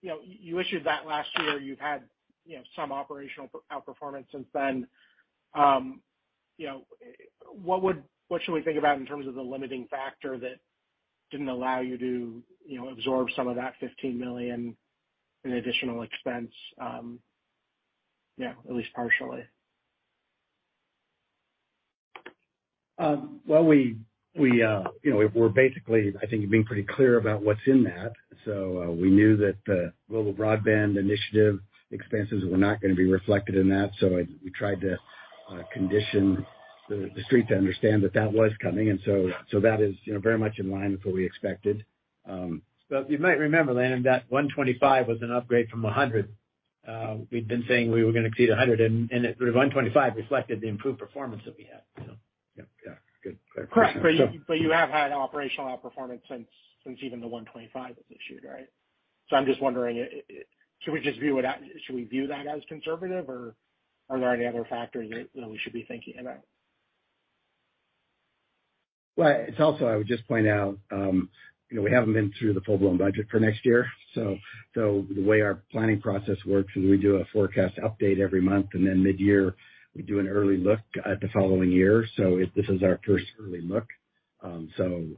you know, you issued that last year. You've had, you know, some operational outperformance since then. You know, what should we think about in terms of the limiting factor that didn't allow you to, you know, absorb some of that $15 million in additional expense, you know, at least partially? Well, we were basically I think being pretty clear about what's in that. We knew that the global broadband initiative expenses were not gonna be reflected in that. We tried to condition the street to understand that that was coming. That is, you know, very much in line with what we expected. You might remember, Landon, that $125 was an upgrade from $100. We'd been saying we were gonna exceed $100, and the $125 reflected the improved performance that we had, you know? Yeah. Good. Correct. You have had operational outperformance since even the 125 was issued, right? I'm just wondering, should we view that as conservative or are there any other factors that we should be thinking about? Well, it's also, I would just point out, you know, we haven't been through the full-blown budget for next year. The way our planning process works is we do a forecast update every month, and then mid-year, we do an early look at the following year. If this is our first early look, you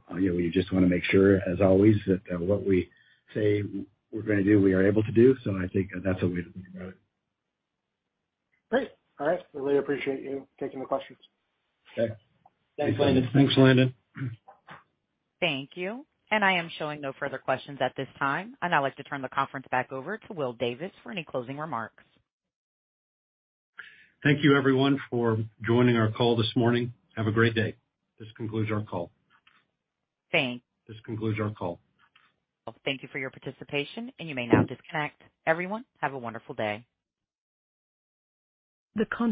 know, we just wanna make sure, as always, that what we say we're gonna do, we are able to do. I think that's a way to think about it. Great. All right. We really appreciate you taking the questions. Okay. Thanks, Landon. Thanks, Landon. Thank you. I am showing no further questions at this time. I'd now like to turn the conference back over to William Davis for any closing remarks. Thank you, everyone, for joining our call this morning. Have a great day. This concludes our call. Thank. This concludes our call. Thank you for your participation, and you may now disconnect. Everyone, have a wonderful day.